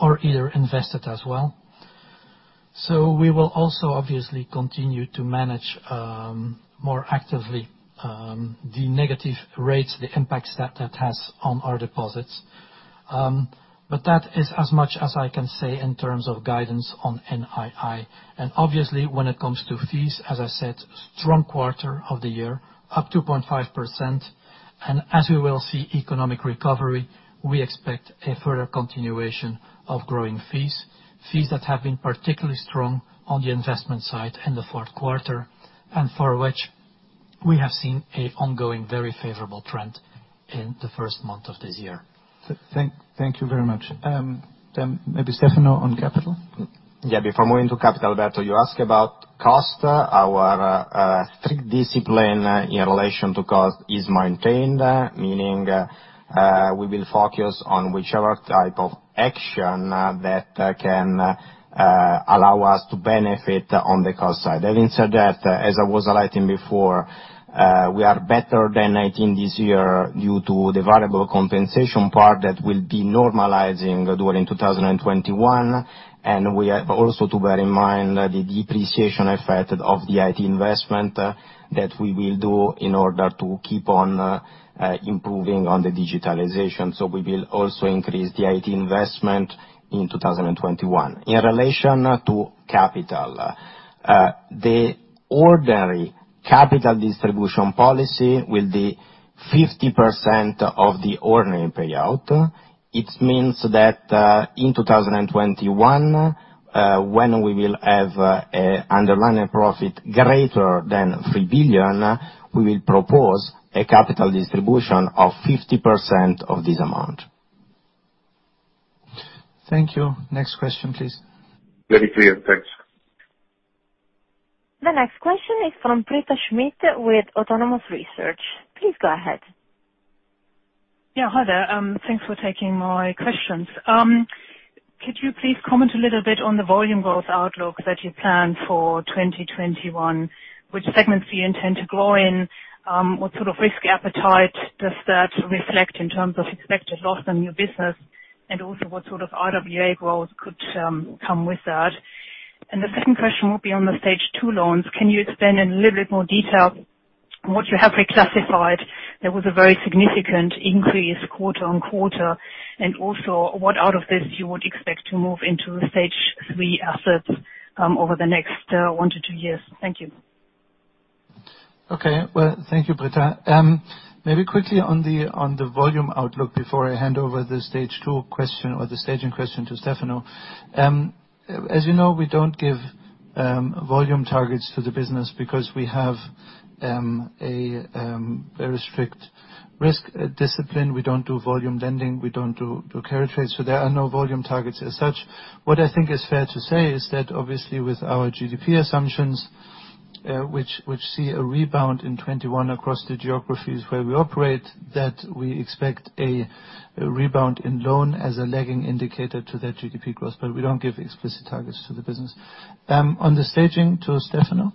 or either invested as well. We will also obviously continue to manage more actively the negative rates, the impacts that that has on our deposits. That is as much as I can say in terms of guidance on NII. Obviously, when it comes to fees, as I said, strong quarter of the year, up 2.5%. As we will see economic recovery, we expect a further continuation of growing fees that have been particularly strong on the investment side in the fourth quarter, and for which we have seen a ongoing, very favorable trend in the first month of this year. Thank you very much. Maybe Stefano on capital. Yeah. Before moving to capital, Alberto, you ask about cost. Our strict discipline in relation to cost is maintained, meaning we will focus on whichever type of action that can allow us to benefit on the cost side. Having said that, as I was highlighting before, we are better than 2019 this year due to the variable compensation part that will be normalizing during 2021. We have also to bear in mind the depreciation effect of the IT investment that we will do in order to keep on improving on the digitalization. We will also increase the IT investment in 2021. In relation to capital, the ordinary capital distribution policy will be 50% of the ordinary payout. It means that in 2021, when we will have underlying profit greater than 3 billion, we will propose a capital distribution of 50% of this amount. Thank you. Next question, please. Very clear. Thanks. The next question is from Britta Schmidt with Autonomous Research. Please go ahead. Yeah, hi there. Thanks for taking my questions. Could you please comment a little bit on the volume growth outlook that you plan for 2021, which segments do you intend to grow in? What sort of risk appetite does that reflect in terms of expected loss on your business? Also what sort of RWA growth could come with that? The second question will be on the Stage two loans. Can you expand in a little bit more detail what you have reclassified that was a very significant increase quarter on quarter? Also what out of this you would expect to move into Stage three assets over the next one to two years? Thank you. Okay. Well, thank you, Britta. Maybe quickly on the volume outlook before I hand over the Stage two question or the staging question to Stefano. As you know, we don't give volume targets to the business because we have a very strict risk discipline. We don't do volume lending, we don't do carry trades, so there are no volume targets as such. What I think is fair to say is that obviously with our GDP assumptions, which see a rebound in 2021 across the geographies where we operate, that we expect a rebound in loan as a lagging indicator to that GDP growth. But we don't give explicit targets to the business. On the staging, to Stefano.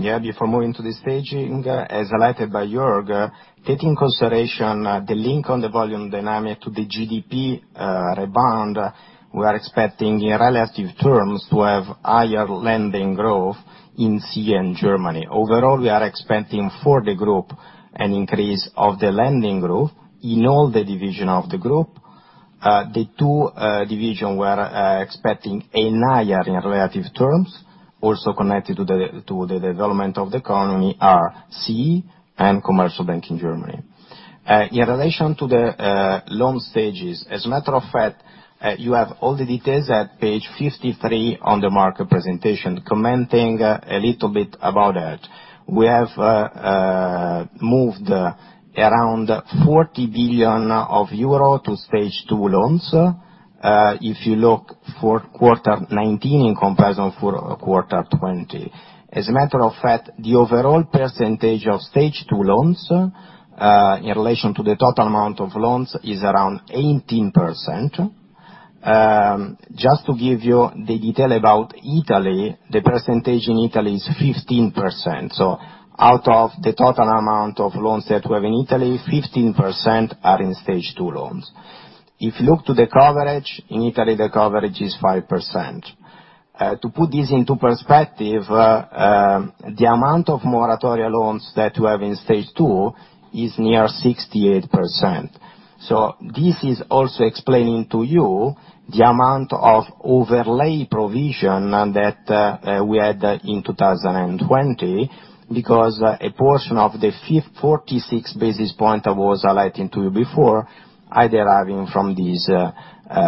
Yeah, before moving to the staging, as highlighted by Jörg, take in consideration the link on the volume dynamic to the GDP rebound, we are expecting in relative terms to have higher lending growth in CEE and Germany. Overall, we are expecting for the group an increase of the lending growth in all the division of the group. The two division we're expecting a higher in relative terms, also connected to the development of the economy are CEE and Commercial Banking Germany. In relation to the loan stages, as a matter of fact, you have all the details at page 53 on the market presentation. Commenting a little bit about that. We have moved around 40 billion euro to Stage two loans. If you look fourth quarter 2019 in comparison for quarter 2020. As a matter of fact, the overall percentage of Stage two loans, in relation to the total amount of loans, is around 18%. Just to give you the detail about Italy, the percentage in Italy is 15%. Out of the total amount of loans that we have in Italy, 15% are in Stage two loans. If you look to the coverage, in Italy, the coverage is 5%. To put this into perspective, the amount of moratoria loans that we have in Stage two is near 68%. This is also explaining to you the amount of overlay provision that we had in 2020, because a portion of the 46 basis points I was highlighting to you before are deriving from this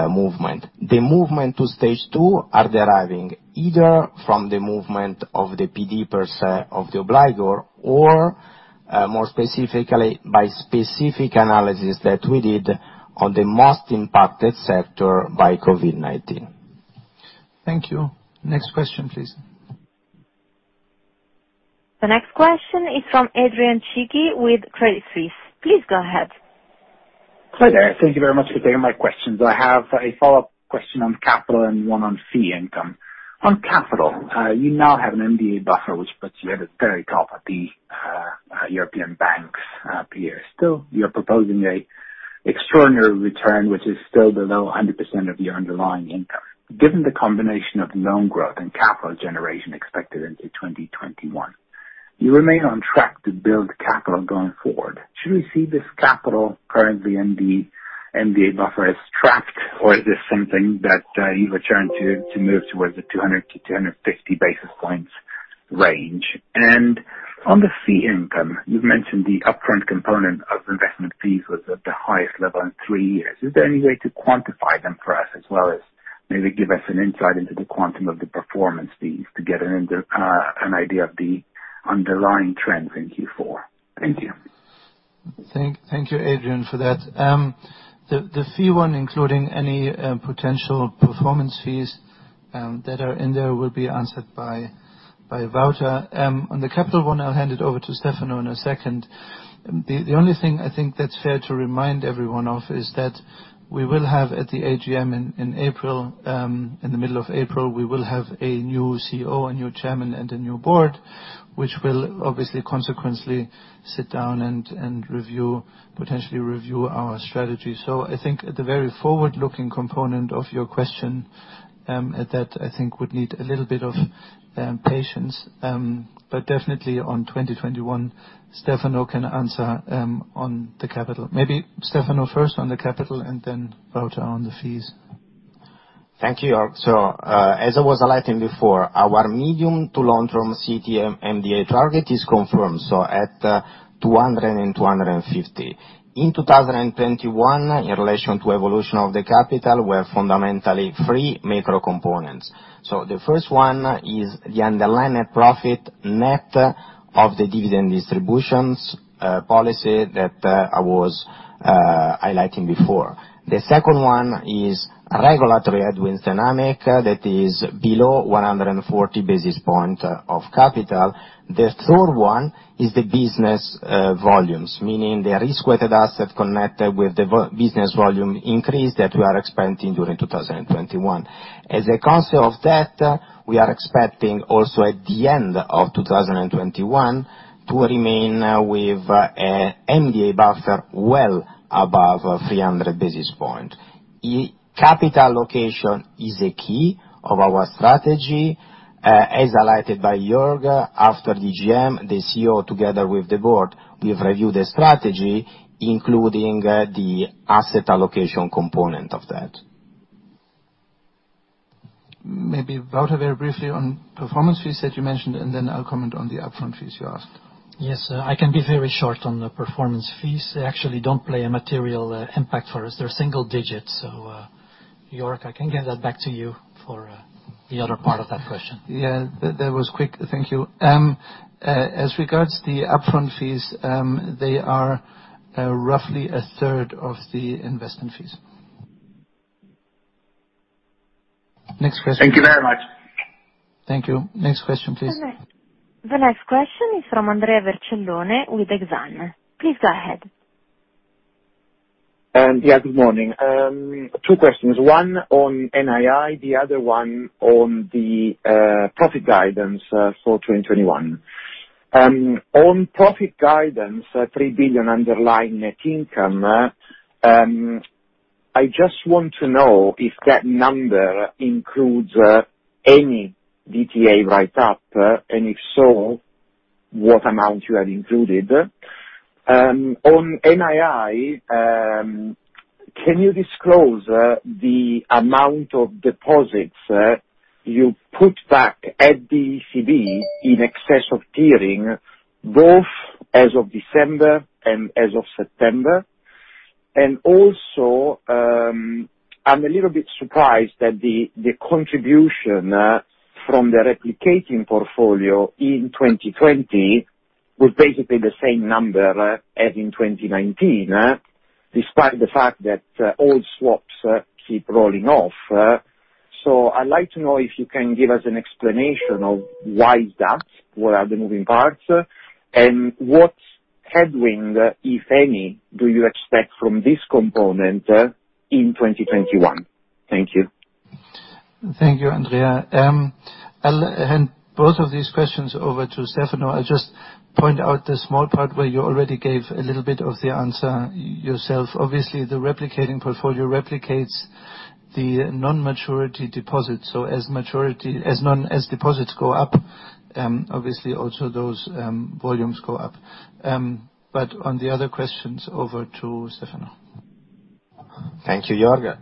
movement. The movement to Stage two are deriving either from the movement of the PD% of the obligor or, more specifically, by specific analysis that we did on the most impacted sector by COVID-19. Thank you. Next question, please. The next question is from Adrian Siew with Credit Suisse. Please go ahead. Hi there. Thank you very much for taking my questions. I have a follow-up question on capital and one on fee income. On capital, you now have an MDA buffer, which puts you at the very top of the European banks peer. Still, you're proposing a extraordinary return, which is still below 100% of your underlying income. Given the combination of loan growth and capital generation expected into 2021, you remain on track to build capital going forward. Should we see this capital currently in the MDA buffer as trapped, or is this something that you are trying to move towards the 200-250 basis points range? On the fee income, you've mentioned the upfront component of investment fees was at the highest level in three years. Is there any way to quantify them for us, as well as maybe give us an insight into the quantum of the performance fees to get an idea of the underlying trends in Q4? Thank you. Thank you, Adrian, for that. The fee one, including any potential performance fees that are in there, will be answered by Wouter. On the capital one, I will hand it over to Stefano in a second. The only thing I think that is fair to remind everyone of is that we will have at the AGM in the middle of April, we will have a new CEO, a new chairman, and a new board, which will obviously consequently sit down and potentially review our strategy. I think at the very forward-looking component of your question, that I think would need a little bit of patience. Definitely on 2021, Stefano can answer on the capital. Maybe Stefano first on the capital and then Wouter on the fees. Thank you, Jörg. As I was highlighting before, our medium to long-term CET1 MDA target is confirmed, at 200 and 250. In 2021, in relation to evolution of the capital, we have fundamentally three macro components. The first one is the underlying profit net of the dividend distributions policy that I was highlighting before. The second one is regulatory headwinds dynamic that is below 140 basis point of capital. The third one is the business volumes, meaning the risk-weighted asset connected with the business volume increase that we are expecting during 2021. As a concept of that, we are expecting also at the end of 2021 to remain with a MDA buffer well above 300 basis point. Capital allocation is a key of our strategy. As highlighted by Jörg, after the AGM, the CEO, together with the board, will review the strategy, including the asset allocation component of that. Maybe Wouter very briefly on performance fees that you mentioned, and then I'll comment on the upfront fees you asked. Yes, I can be very short on the performance fees. They actually don't play a material impact for us. They're single digits. Jörg, I can give that back to you for the other part of that question. Yeah, that was quick. Thank you. As regards the upfront fees, they are roughly a third of the investment fees. Next question. Thank you very much. Thank you. Next question, please. The next question is from Andrea Vercellone with Exane. Please go ahead. Good morning. Two questions, one on NII, the other one on the profit guidance for 2021. On profit guidance, 3 billion underlying net income, I just want to know if that number includes any DTA write-up, and if so, what amount you have included. On NII, can you disclose the amount of deposits you put back at the ECB in excess of tiering, both as of December and as of September? Also, I'm a little bit surprised that the contribution from the replicating portfolio in 2020 was basically the same number as in 2019, despite the fact that old swaps keep rolling off. I'd like to know if you can give us an explanation of why is that, what are the moving parts, and what headwind, if any, do you expect from this component in 2021? Thank you. Thank you, Andrea. I'll hand both of these questions over to Stefano. I'll just point out the small part where you already gave a little bit of the answer yourself. Obviously, the replicating portfolio replicates the non-maturity deposit. As deposits go up, obviously also those volumes go up. On the other questions, over to Stefano. Thank you, Jörg.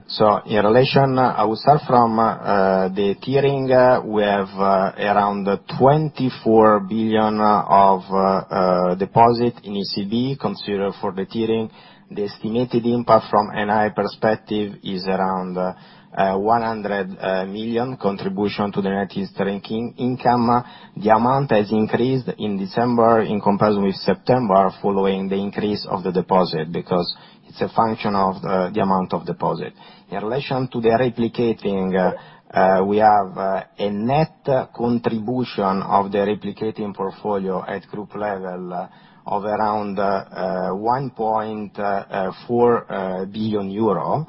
In relation, I will start from the tiering. We have around 24 billion of deposit in ECB considered for the tiering. The estimated impact from NII perspective is around 100 million contribution to the net interest income. The amount has increased in December in comparison with September following the increase of the deposit, because it's a function of the amount of deposit. In relation to the replicating, we have a net contribution of the replicating portfolio at group level of around 1.4 billion euro.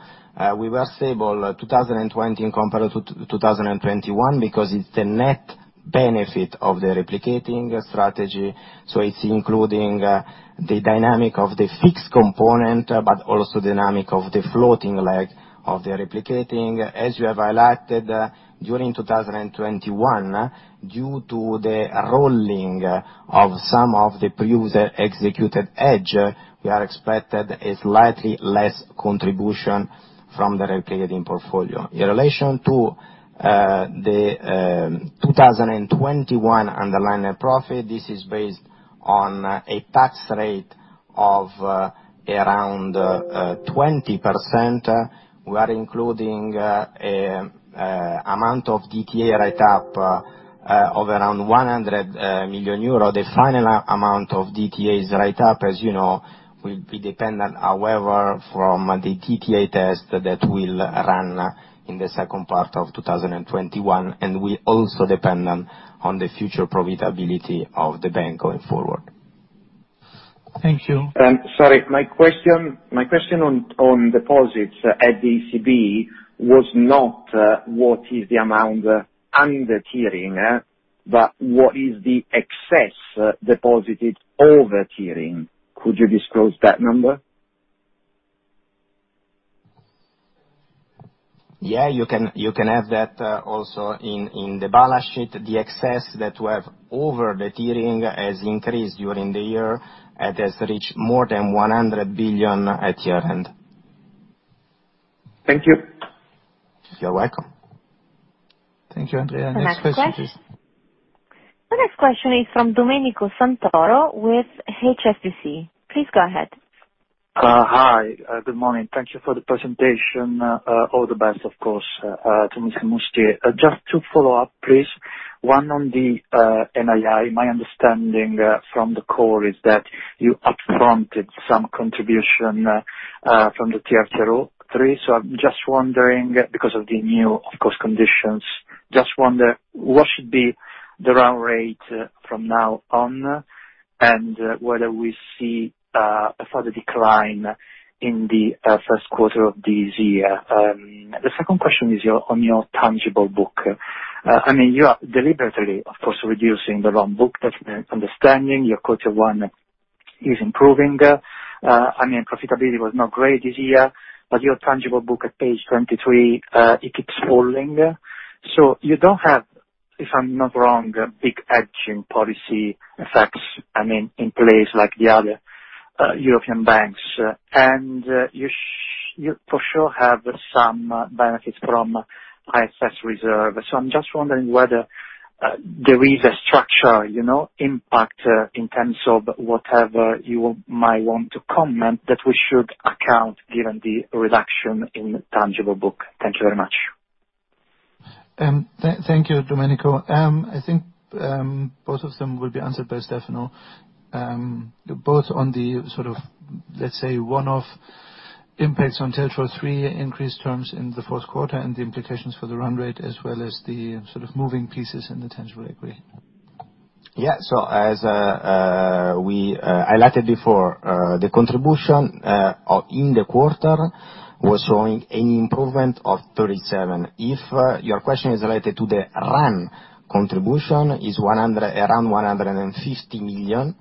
We were stable 2020 in comparison to 2021 because it's the net benefit of the replicating strategy, it's including the dynamic of the fixed component, also dynamic of the floating leg of the replicating. As you have highlighted, during 2021, due to the rolling of some of the producer executed hedge, we are expected a slightly less contribution from the replicating portfolio. In relation to the 2021 underlying net profit, this is based on a tax rate of around 20%. We are including amount of DTA write-up of around 100 million euro. The final amount of DTAs write-up, as you know, will be dependent, however, from the DTA test that will run in the second part of 2021, and will also dependent on the future profitability of the bank going forward. Thank you. Sorry, my question on deposits at the ECB was not what is the amount under tiering, but what is the excess deposited over tiering. Could you disclose that number? Yeah, you can have that also in the balance sheet. The excess that we have over the tiering has increased during the year. It has reached more than 100 billion at year-end. Thank you. You're welcome. Thank you, Andrea. Next question, please. The next question is from Domenico Santoro with HSBC. Please go ahead. Hi. Good morning. Thank you for the presentation. All the best, of course, to Mr. Mustier. Just to follow up, please, one on the NII. My understanding from the call is that you up-fronted some contribution from the TLTRO III. I'm just wondering, because of the new, of course, conditions, just wonder what should be the run rate from now on, and whether we see a further decline in the first quarter of this year. The second question is on your tangible book. You are deliberately, of course, reducing the run book. That's my understanding. Your quarter one is improving. Profitability was not great this year, but your tangible book at page 23, it keeps falling. If I'm not wrong, big hedging policy effects in place like the other European banks. You for sure have some benefits from FX Reserve. I'm just wondering whether there is a structure impact in terms of whatever you might want to comment that we should account, given the reduction in tangible book. Thank you very much. Thank you, Domenico. I think both of them will be answered by Stefano, both on the let's say one-off impacts on TLTRO III increased terms in the fourth quarter and the implications for the run rate, as well as the moving pieces in the tangible equity. Yeah. As we highlighted before, the contribution in the quarter was showing an improvement of 37. If your question is related to the run contribution, is around 150 million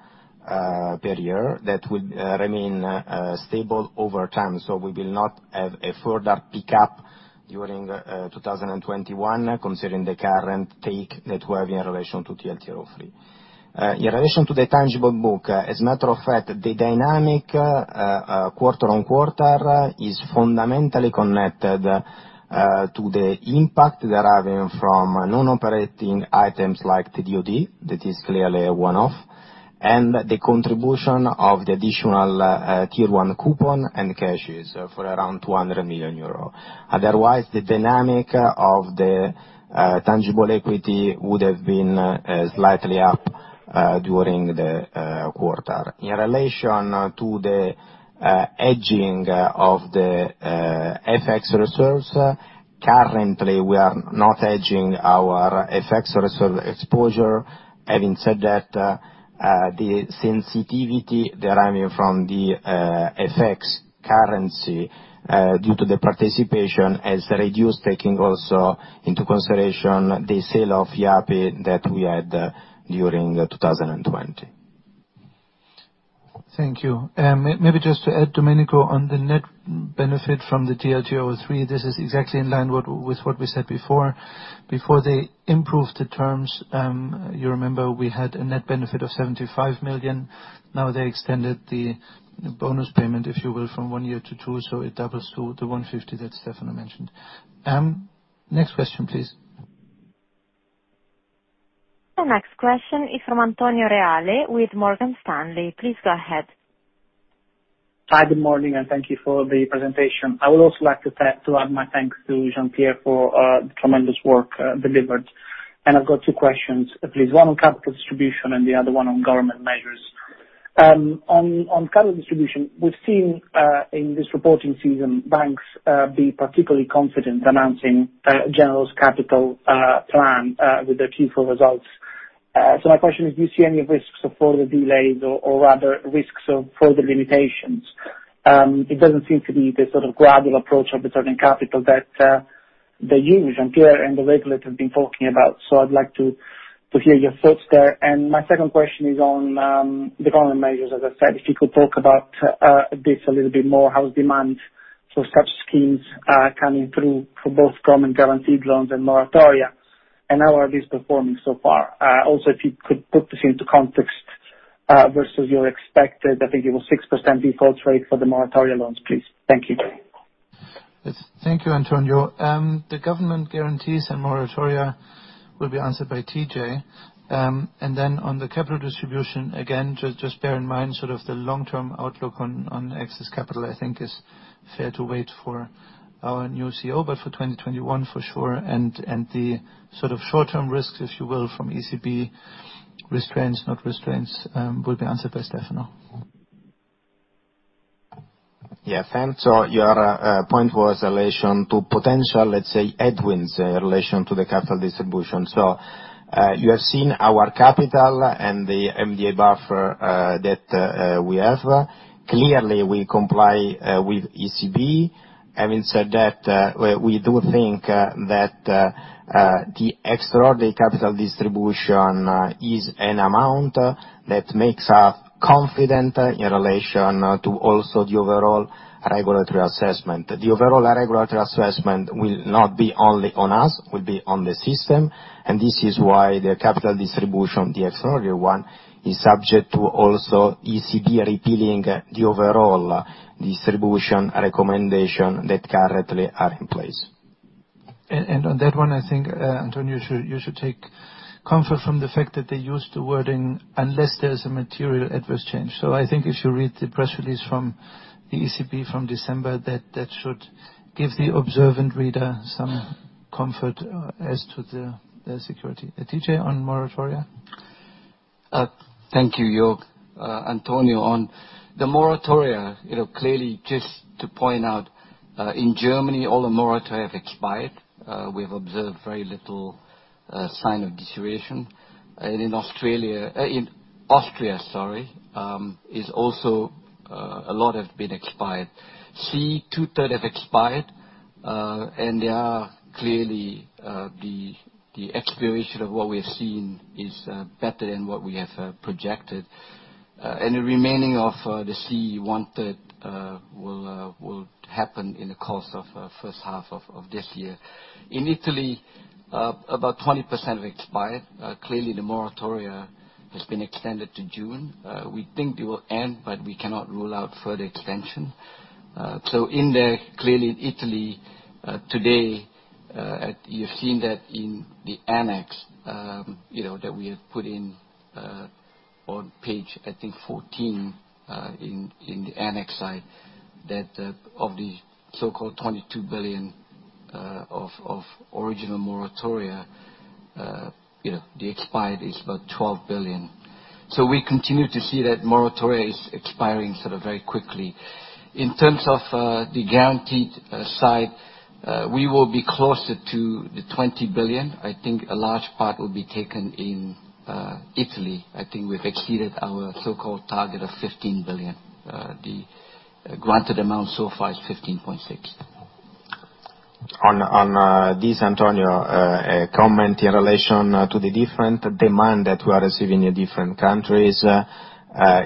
per year, that would remain stable over time. We will not have a further pickup during 2021, considering the current take that we have in relation to TLTRO III. In relation to the tangible book, as a matter of fact, the dynamic quarter on quarter is fundamentally connected to the impact deriving from non-operating items like, [inaudible] that is clearly a one-off, and the contribution of the Additional Tier 1 coupon and CASHES for around 200 million euro. Otherwise, the dynamic of the tangible equity would have been slightly up during the quarter. In relation to the hedging of the FX reserves, currently we are not hedging our FX reserve exposure. Having said that, the sensitivity deriving from the FX currency due to the participation has reduced, taking also into consideration the sale of Yapi that we had during 2020. Thank you. Just to add, Domenico, on the net benefit from the TLTRO III, this is exactly in line with what we said before. Before they improved the terms, you remember we had a net benefit of 75 million. Now they extended the bonus payment, if you will, from one year to two, so it doubles to the 150 that Stefano mentioned. Next question, please. The next question is from Antonio Reale with Morgan Stanley. Please go ahead. Hi, good morning. Thank you for the presentation. I would also like to add my thanks to Jean-Pierre for the tremendous work delivered. I've got two questions, please. One on capital distribution, and the other one on government measures. On capital distribution, we've seen, in this reporting season, banks be particularly confident announcing general capital plan with their Q4 results. My question is, do you see any risks of further delays or rather risks of further limitations? It doesn't seem to be the sort of gradual approach of returning capital that you, Jean-Pierre, and the regulator have been talking about. I'd like to hear your thoughts there. My second question is on the government measures. As I said, if you could talk about this a little bit more, how demand for such schemes are coming through for both government guaranteed loans and moratoria, and how are these performing so far? If you could put this into context, versus your expected, I think it was 6% default rate for the moratoria loans, please. Thank you. Yes. Thank you, Antonio. The government guarantees and moratoria will be answered by TJ. Then on the capital distribution, again, just bear in mind, the long-term outlook on excess capital, I think, is fair to wait for our new CEO, but for 2021, for sure. The short-term risks, if you will, from ECB restraints, not restraints, will be answered by Stefano. Yeah. Thanks. Your point was in relation to potential, let's say, headwinds in relation to the capital distribution. You have seen our capital and the MDA buffer that we have. Clearly, we comply with ECB. Having said that, we do think that the extraordinary capital distribution is an amount that makes us confident in relation to also the overall regulatory assessment. The overall regulatory assessment will not be only on us, will be on the system. This is why the capital distribution, the extraordinary one, is subject to also ECB repealing the overall distribution recommendation that currently are in place. On that one, I think, Antonio, you should take comfort from the fact that they used the wording, unless there's a material adverse change. I think if you read the press release from the ECB from December, that should give the observant reader some comfort as to their security. TJ, on moratoria? Thank you, Jörg. Antonio, on the moratoria, clearly just to point out, in Germany, all the moratoria have expired. We've observed very little sign of deterioration. In Austria, also, a lot have been expired. CEE, two-third have expired, and they are clearly the expiration of what we have seen is better than what we have projected. The remaining of the CEE third will happen in the course of first half of this year. In Italy, about 20% have expired. Clearly, the moratoria has been extended to June. We think they will end, we cannot rule out further extension. In there, clearly in Italy, today, you've seen that in the annex, that we have put in on page, I think 14, in the annex side, that of the so-called 22 billion of original moratoria, the expired is about 12 billion. We continue to see that moratoria is expiring sort of very quickly. In terms of the guaranteed side, we will be closer to the 20 billion. I think a large part will be taken in Italy. I think we've exceeded our so-called target of 15 billion. The granted amount so far is 15.6. On this, Antonio, a comment in relation to the different demand that we are receiving in different countries.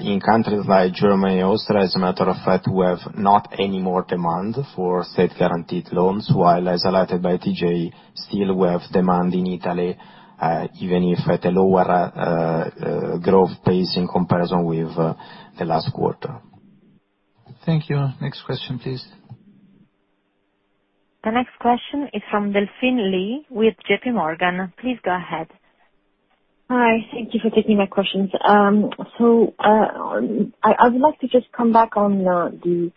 In countries like Germany and Austria, as a matter of fact, we have not any more demand for state-guaranteed loans, as highlighted by TJ, still we have demand in Italy, even if at a lower growth pace in comparison with the last quarter. Thank you. Next question, please. The next question is from Delphine Lee with JPMorgan. Please go ahead. Hi, thank you for taking my questions. I would like to just come back on the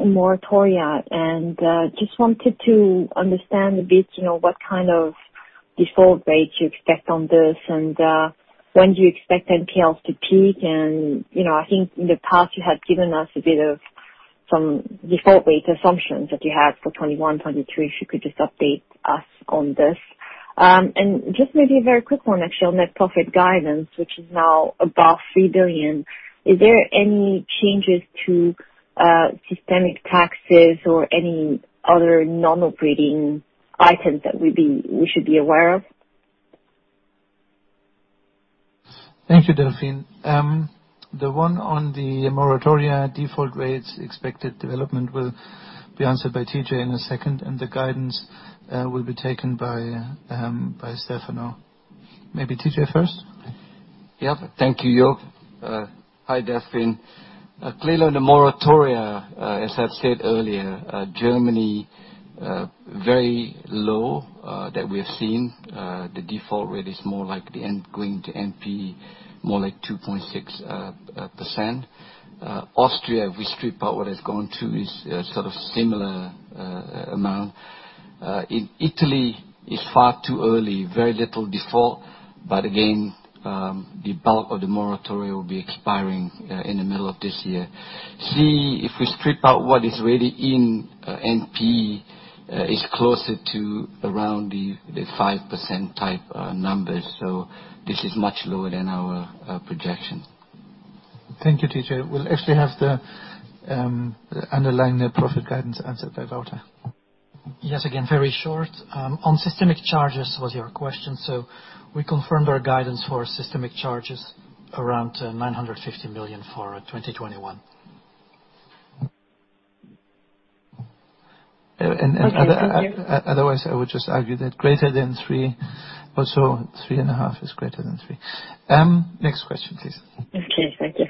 moratoria, and just wanted to understand a bit, what kind of default rate you expect on this, and when do you expect NPEs to peak and, I think in the past you had given us a bit of some default rate assumptions that you have for 2021, 2023, if you could just update us on this. Just maybe a very quick one actually on net profit guidance, which is now above 3 billion. Is there any changes to systemic taxes or any other non-operating items that we should be aware of? Thank you, Delphine. The one on the moratoria default rates expected development will be answered by TJ in a second, and the guidance will be taken by Stefano. Maybe TJ first. Yep. Thank you, Jörg. Hi, Delphine. Clearly on the moratoria, as I have said earlier, Germany very low, that we have seen. The default rate is more like the going to NPE, more like 2.6%. Austria, if we strip out what has gone to, is sort of similar amount. In Italy, it is far too early, very little default, but again, the bulk of the moratoria will be expiring in the middle of this year. CEE, if we strip out what is really in NPE, is closer to around the 5% type numbers. This is much lower than our projections. Thank you, TJ. We'll actually have the underlying net profit guidance answered by Wouter. Yes, again, very short. On systemic charges was your question. We confirmed our guidance for systemic charges around 950 million for 2021. Okay. Thank you. Otherwise, I would just argue that greater than three, also three and a half is greater than three. Next question, please. Okay, thank you.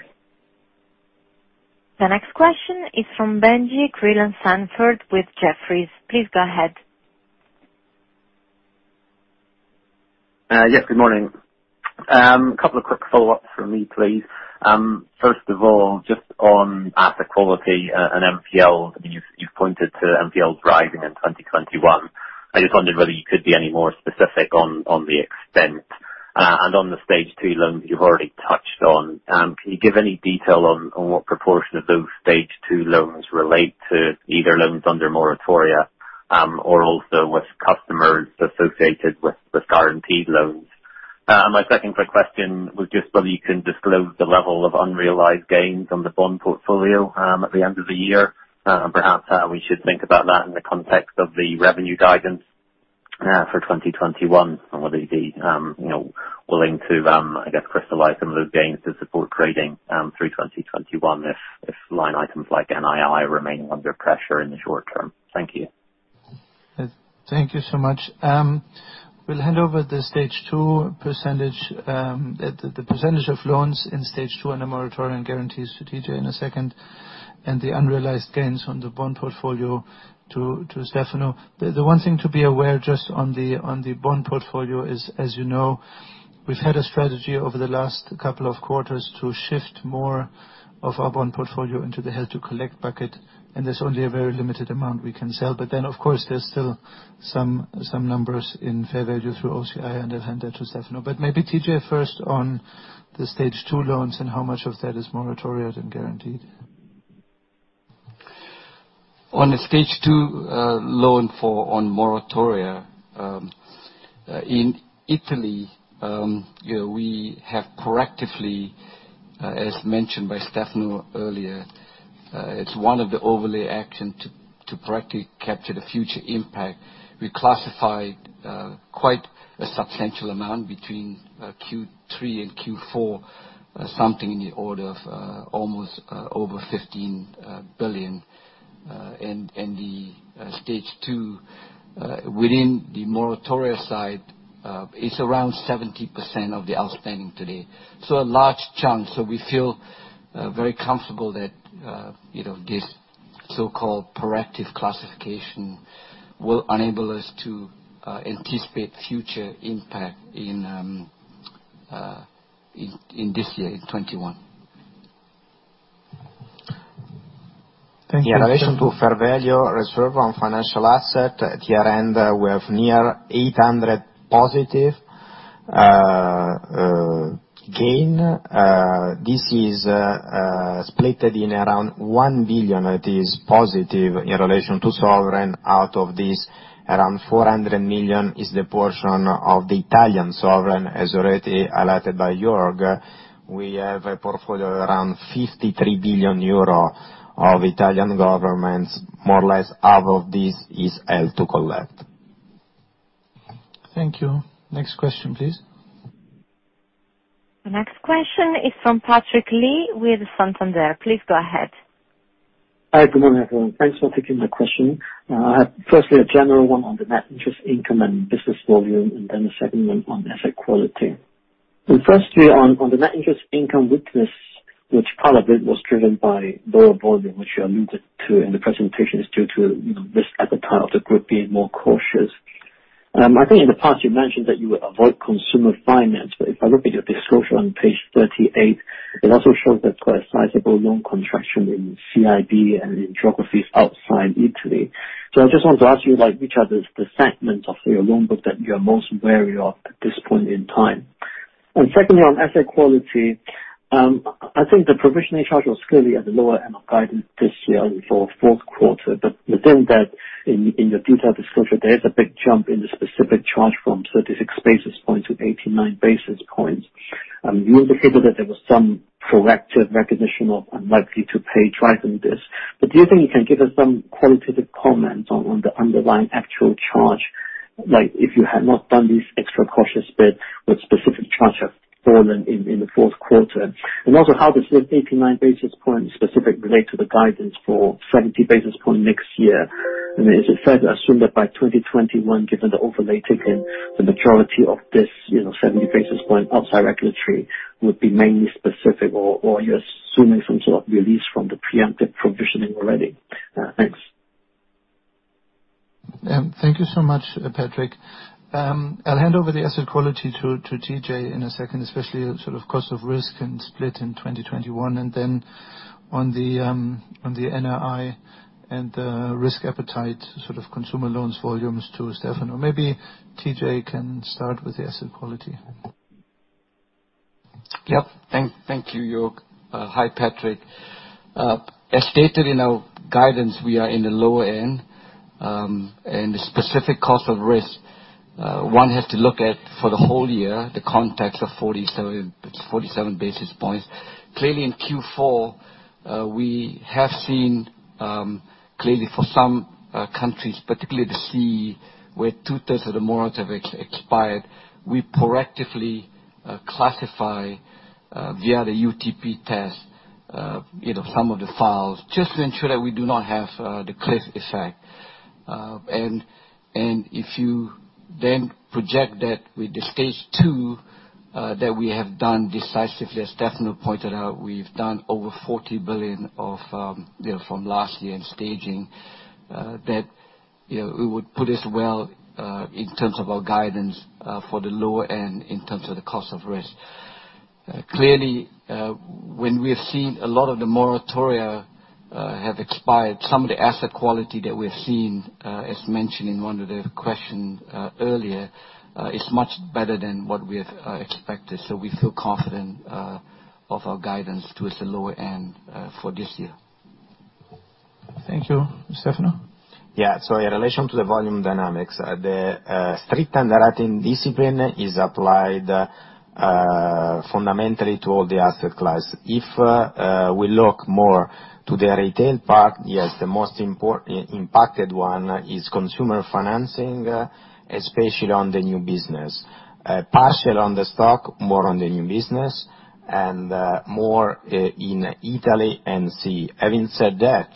The next question is from Benjie Creelan-Sandford with Jefferies. Please go ahead. Yes, good morning. Couple of quick follow-ups from me, please. First of all, just on asset quality and NPLs, you've pointed to NPLs rising in 2021. I just wondered whether you could be any more specific on the extent. On the Stage two loans, you've already touched on. Can you give any detail on what proportion of those Stage two loans relate to either loans under moratoria, or also with customers associated with guaranteed loans? My second quick question was just whether you can disclose the level of unrealized gains on the bond portfolio at the end of the year. Perhaps how we should think about that in the context of the revenue guidance for 2021, and whether you'd be willing to, I guess, crystallize some of those gains to support grading through 2021 if line items like NII remain under pressure in the short term. Thank you. Thank you so much. We'll hand over the Stage two percentage, the percentage of loans in Stage two and the moratorium guarantees to TJ in a second, and the unrealized gains from the bond portfolio to Stefano. The one thing to be aware just on the bond portfolio is, as you know, we've had a strategy over the last couple of quarters to shift more of our bond portfolio into the held-to-collect bucket, and there's only a very limited amount we can sell. Of course, there's still some numbers in fair value through OCI, and I'll hand that to Stefano. Maybe TJ first on the Stage two loans and how much of that is moratoria and guaranteed. On the Stage two loan on moratoria, in Italy, we have proactively, as mentioned by Stefano earlier. It's one of the overlay action to practically capture the future impact. We classified quite a substantial amount between Q3 and Q4, something in the order of almost over 15 billion. The Stage two within the moratoria side is around 70% of the outstanding today. A large chunk. We feel very comfortable that this so-called proactive classification will enable us to anticipate future impact in this year, in 2021. Thank you. In relation to fair value reserve on financial asset at year-end, we have near 800 positive gain. This is split in around EUR 1 billion that is positive in relation to sovereign. Out of this, around 400 million is the portion of the Italian sovereign, as already alerted by Jörg. We have a portfolio around 53 billion euro of Italian governments. More or less half of this is held to collect. Thank you. Next question, please. The next question is from Patrick Lee with Santander. Please go ahead. Hi, good morning, everyone. Thanks for taking my question. I have firstly a general one on the Net Interest Income and business volume, and then a second one on asset quality. Firstly on the Net Interest Income weakness, which part of it was driven by lower volume, which you alluded to in the presentation is due to risk appetite of the group being more cautious. I think in the past you mentioned that you would avoid consumer finance. If I look at your disclosure on page 38, it also shows that quite a sizable loan contraction in CIB and in geographies outside Italy. I just wanted to ask you which are the segments of your loan book that you're most wary of at this point in time? Secondly, on asset quality, I think the provisioning charge was clearly at the lower end of guidance this year for fourth quarter. Within that, in your detailed disclosure, there's a big jump in the specific charge from 36 basis points to 89 basis points. You indicated that there was some proactive recognition of Unlikely to Pay driving this. Do you think you can give us some qualitative comments on the underlying actual charge, like if you had not done this extra cautious bit, would specific charge have fallen in the fourth quarter? Also, how does the 89 basis points specifically relate to the guidance for 70 basis points next year? I mean, is it fair to assume that by 2021, given the overlay taken, the majority of this 70 basis point outside regulatory would be mainly specific, or you're assuming some sort of release from the preempted provisioning already? Thanks. Thank you so much, Patrick. I'll hand over the asset quality to TJ in a second, especially sort of cost of risk and split in 2021, and then on the NII and the risk appetite, sort of consumer loans volumes to Stefano. Maybe TJ can start with the asset quality. Yep. Thank you, Jörg. Hi, Patrick. As stated in our guidance, we are in the lower end. The specific cost of risk, one has to look at for the whole year, the context of 47 basis points. Clearly in Q4, we have seen clearly for some countries, particularly the CEE, where two-thirds of the moratoria have expired, we proactively classify via the UTP test some of the files, just to ensure that we do not have the cliff effect. If you then project that with the Stage two that we have done decisively, as Stefano pointed out, we've done over 40 billion from last year in staging, that it would put us well in terms of our guidance for the lower end in terms of the cost of risk. Clearly, when we have seen a lot of the moratoria have expired, some of the asset quality that we've seen, as mentioned in one of the questions earlier, is much better than what we have expected. We feel confident of our guidance towards the lower end for this year. Thank you. Stefano? In relation to the volume dynamics, the strict underwriting discipline is applied fundamentally to all the asset class. If we look more to the retail part, yes, the most impacted one is consumer financing, especially on the new business. Partial on the stock, more on the new business, and more in Italy and CEE. Having said that,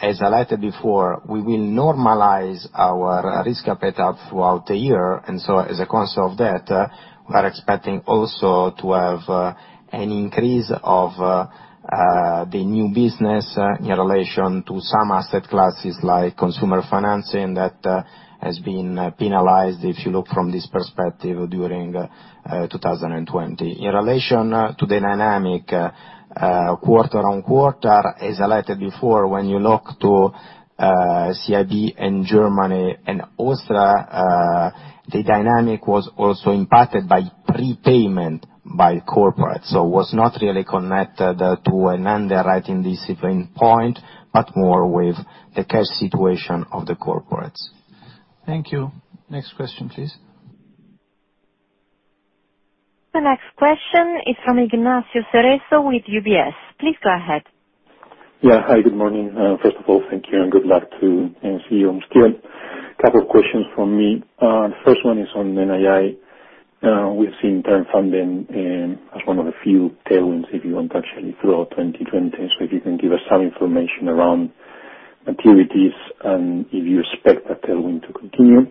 as highlighted before, we will normalize our risk appetite throughout the year. As a consequence of that, we are expecting also to have an increase of the new business in relation to some asset classes like consumer financing that has been penalized, if you look from this perspective during 2020. In relation to the dynamic quarter-on-quarter, as highlighted before, when you look to CIB in Germany and Austria, the dynamic was also impacted by prepayment by corporates. Was not really connected to an underwriting discipline point, but more with the cash situation of the corporates. Thank you. Next question, please. The next question is from Ignacio Cerezo with UBS. Please go ahead. Yeah. Hi, good morning. First of all, thank you and good luck to CEO Mustier. Couple of questions from me. First one is on NII. We've seen term funding as one of the few tailwinds, if you want, actually, throughout 2020. If you can give us some information around activities, and if you expect that tailwind to continue.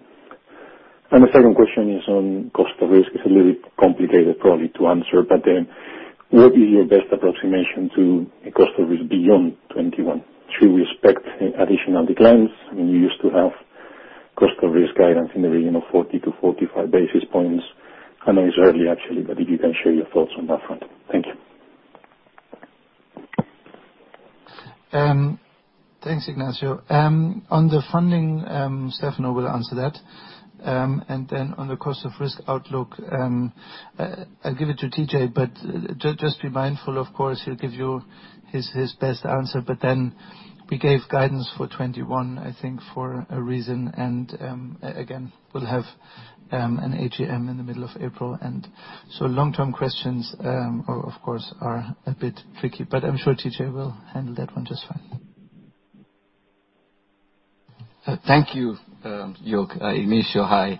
The second question is on cost of risk. It's a little bit complicated, probably, to answer, but then what is your best approximation to a cost of risk beyond 2021? Should we expect additional declines? You used to have cost of risk guidance in the region of 40 to 45 basis points. I know it's early, actually, but if you can share your thoughts on that front. Thank you. Thanks, Ignacio. On the funding, Stefano will answer that. Then on the cost of risk outlook, I'll give it to TJ, but just be mindful, of course, he'll give you his best answer, but then we gave guidance for 2021, I think, for a reason. Again, we'll have an AGM in the middle of April, so long-term questions, of course, are a bit tricky. I'm sure TJ will handle that one just fine. Thank you, Jörg. Ignacio, hi.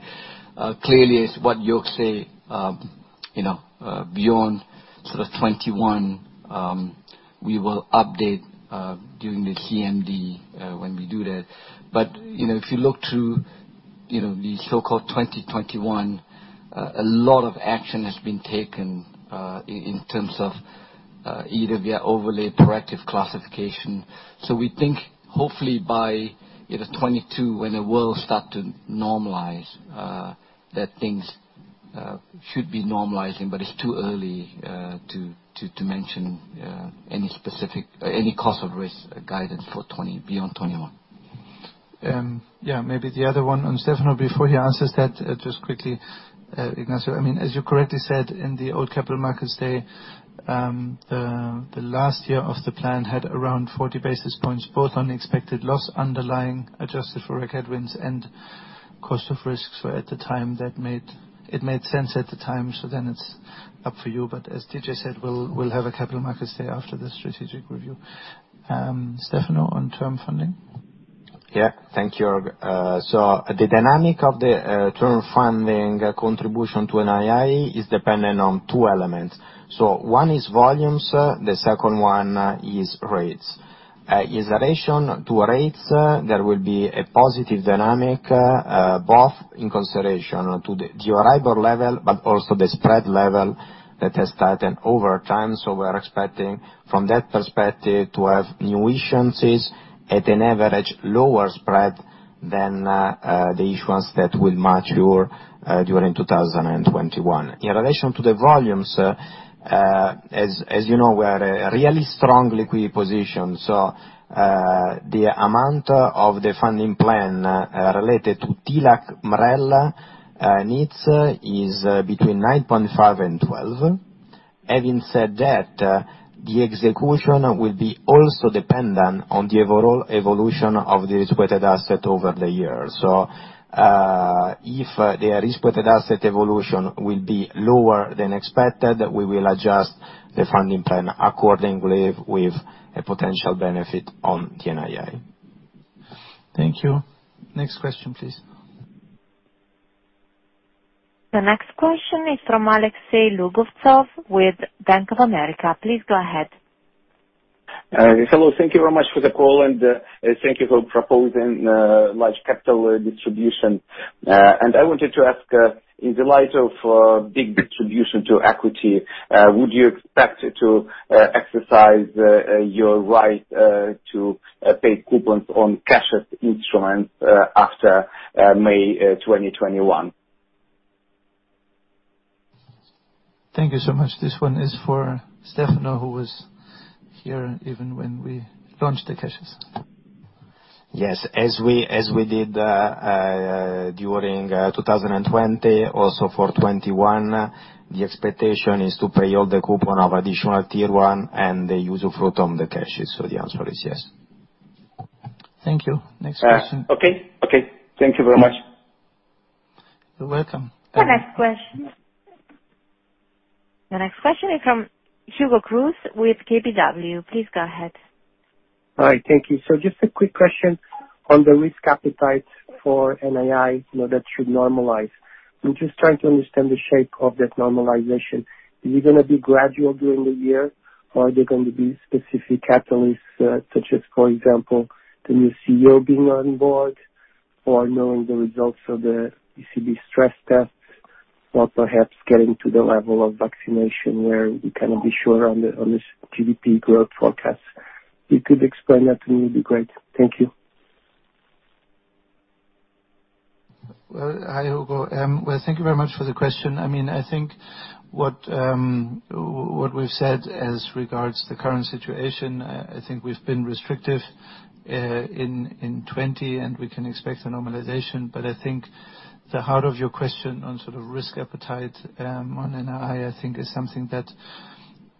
Clearly, as what Jörg say, beyond sort of 2021, we will update during the CMD when we do that. If you look through the so called 2021, a lot of action has been taken, in terms of either via overlay proactive classification. We think, hopefully, by end of 2022, when the world start to normalize, that things should be normalizing. It's too early to mention any cost of risk guidance for beyond 2021. Yeah, maybe the other one. Stefano, before he answers that, just quickly, Ignacio, as you correctly said, in the old Capital Markets Day, the last year of the plan had around 40 basis points, both on expected loss underlying, adjusted for reg headwinds and cost of risk at the time. It made sense at the time. It's up for you. As TJ said, we'll have a Capital Markets Day after the strategic review. Stefano, on term funding. Yeah. Thank you, Jörg. The dynamic of the term funding contribution to NII is dependent on two elements. One is volumes, the second one is rates. In relation to rates, there will be a positive dynamic, both in consideration to the arrival level, but also the spread level that has tightened over time. We're expecting, from that perspective, to have new issuances at an average lower spread than the issuance that will mature during 2021. In relation to the volumes, as you know, we're really strongly positioned. The amount of the funding plan related to TLAC MREL needs is between 9.5 and 12. Having said that, the execution will be also dependent on the overall evolution of the risk-weighted asset over the years. If the risk-weighted asset evolution will be lower than expected, we will adjust the funding plan accordingly, with a potential benefit on TNII. Thank you. Next question, please. The next question is from Alexei Lougovtsov with Bank of America. Please go ahead. Hello. Thank you very much for the call, and thank you for proposing large capital distribution. I wanted to ask, in the light of big distribution to equity, would you expect to exercise your right to pay coupons on CASHES instrument after May 2021? Thank you so much. This one is for Stefano, who was here even when we launched the CASHES. Yes. As we did during 2020, also for 2021, the expectation is to pay all the coupon of Additional Tier 1 and the usufruct on the CASHES. The answer is yes. Thank you. Next question. Okay. Thank you very much. You're welcome. The next question is from Hugo Cruz with KBW. Please go ahead. Hi. Thank you. Just a quick question on the risk appetite for NII that should normalize. I'm just trying to understand the shape of that normalization. Is it going to be gradual during the year, or are there going to be specific catalysts such as, for example, the new CEO being on board, or knowing the results of the ECB stress tests, or perhaps getting to the level of vaccination where we can be sure on the GDP growth forecast? If you could explain that to me, it'd be great. Thank you. Well, hi, Hugo. Thank you very much for the question. I think what we've said as regards to the current situation, I think we've been restrictive in 2020, and we can expect a normalization. I think the heart of your question on sort of risk appetite on NII, I think is something that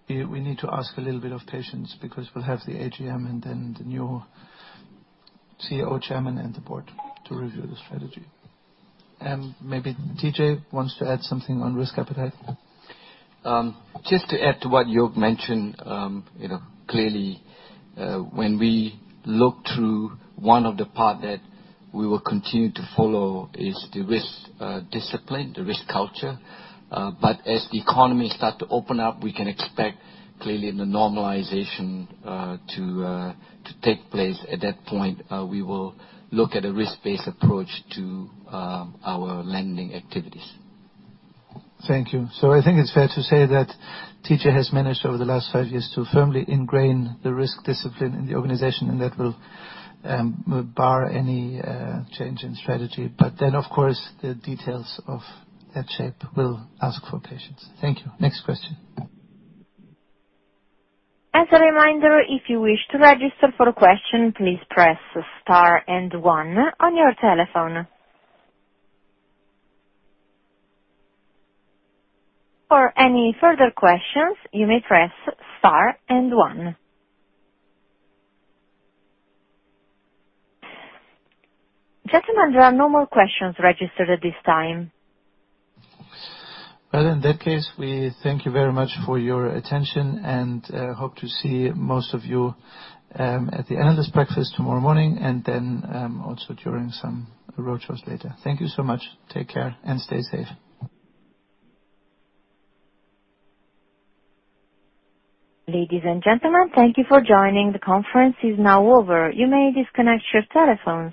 we need to ask a little bit of patience, because we'll have the AGM and then the new CEO Chairman and the board to review the strategy. Maybe TJ wants to add something on risk appetite. Just to add to what Jörg mentioned. Clearly, when we look through one of the part that we will continue to follow is the risk discipline, the risk culture. As the economy start to open up, we can expect, clearly, the normalization to take place. At that point, we will look at a risk-based approach to our lending activities. Thank you. I think it's fair to say that TJ has managed, over the last five years, to firmly ingrain the risk discipline in the organization, and that will bar any change in strategy. Of course, the details of that shape will ask for patience. Thank you. Next question. As a reminder, if you wish to register for a question, please press star and one on your telephone. For any further questions, you may press star and one. Gentlemen, there are no more questions registered at this time. Well, in that case, we thank you very much for your attention, and hope to see most of you at the analyst breakfast tomorrow morning, and then also during some roadshows later. Thank you so much. Take care, and stay safe. Ladies and gentlemen, thank you for joining. The conference is now over. You may disconnect your telephones.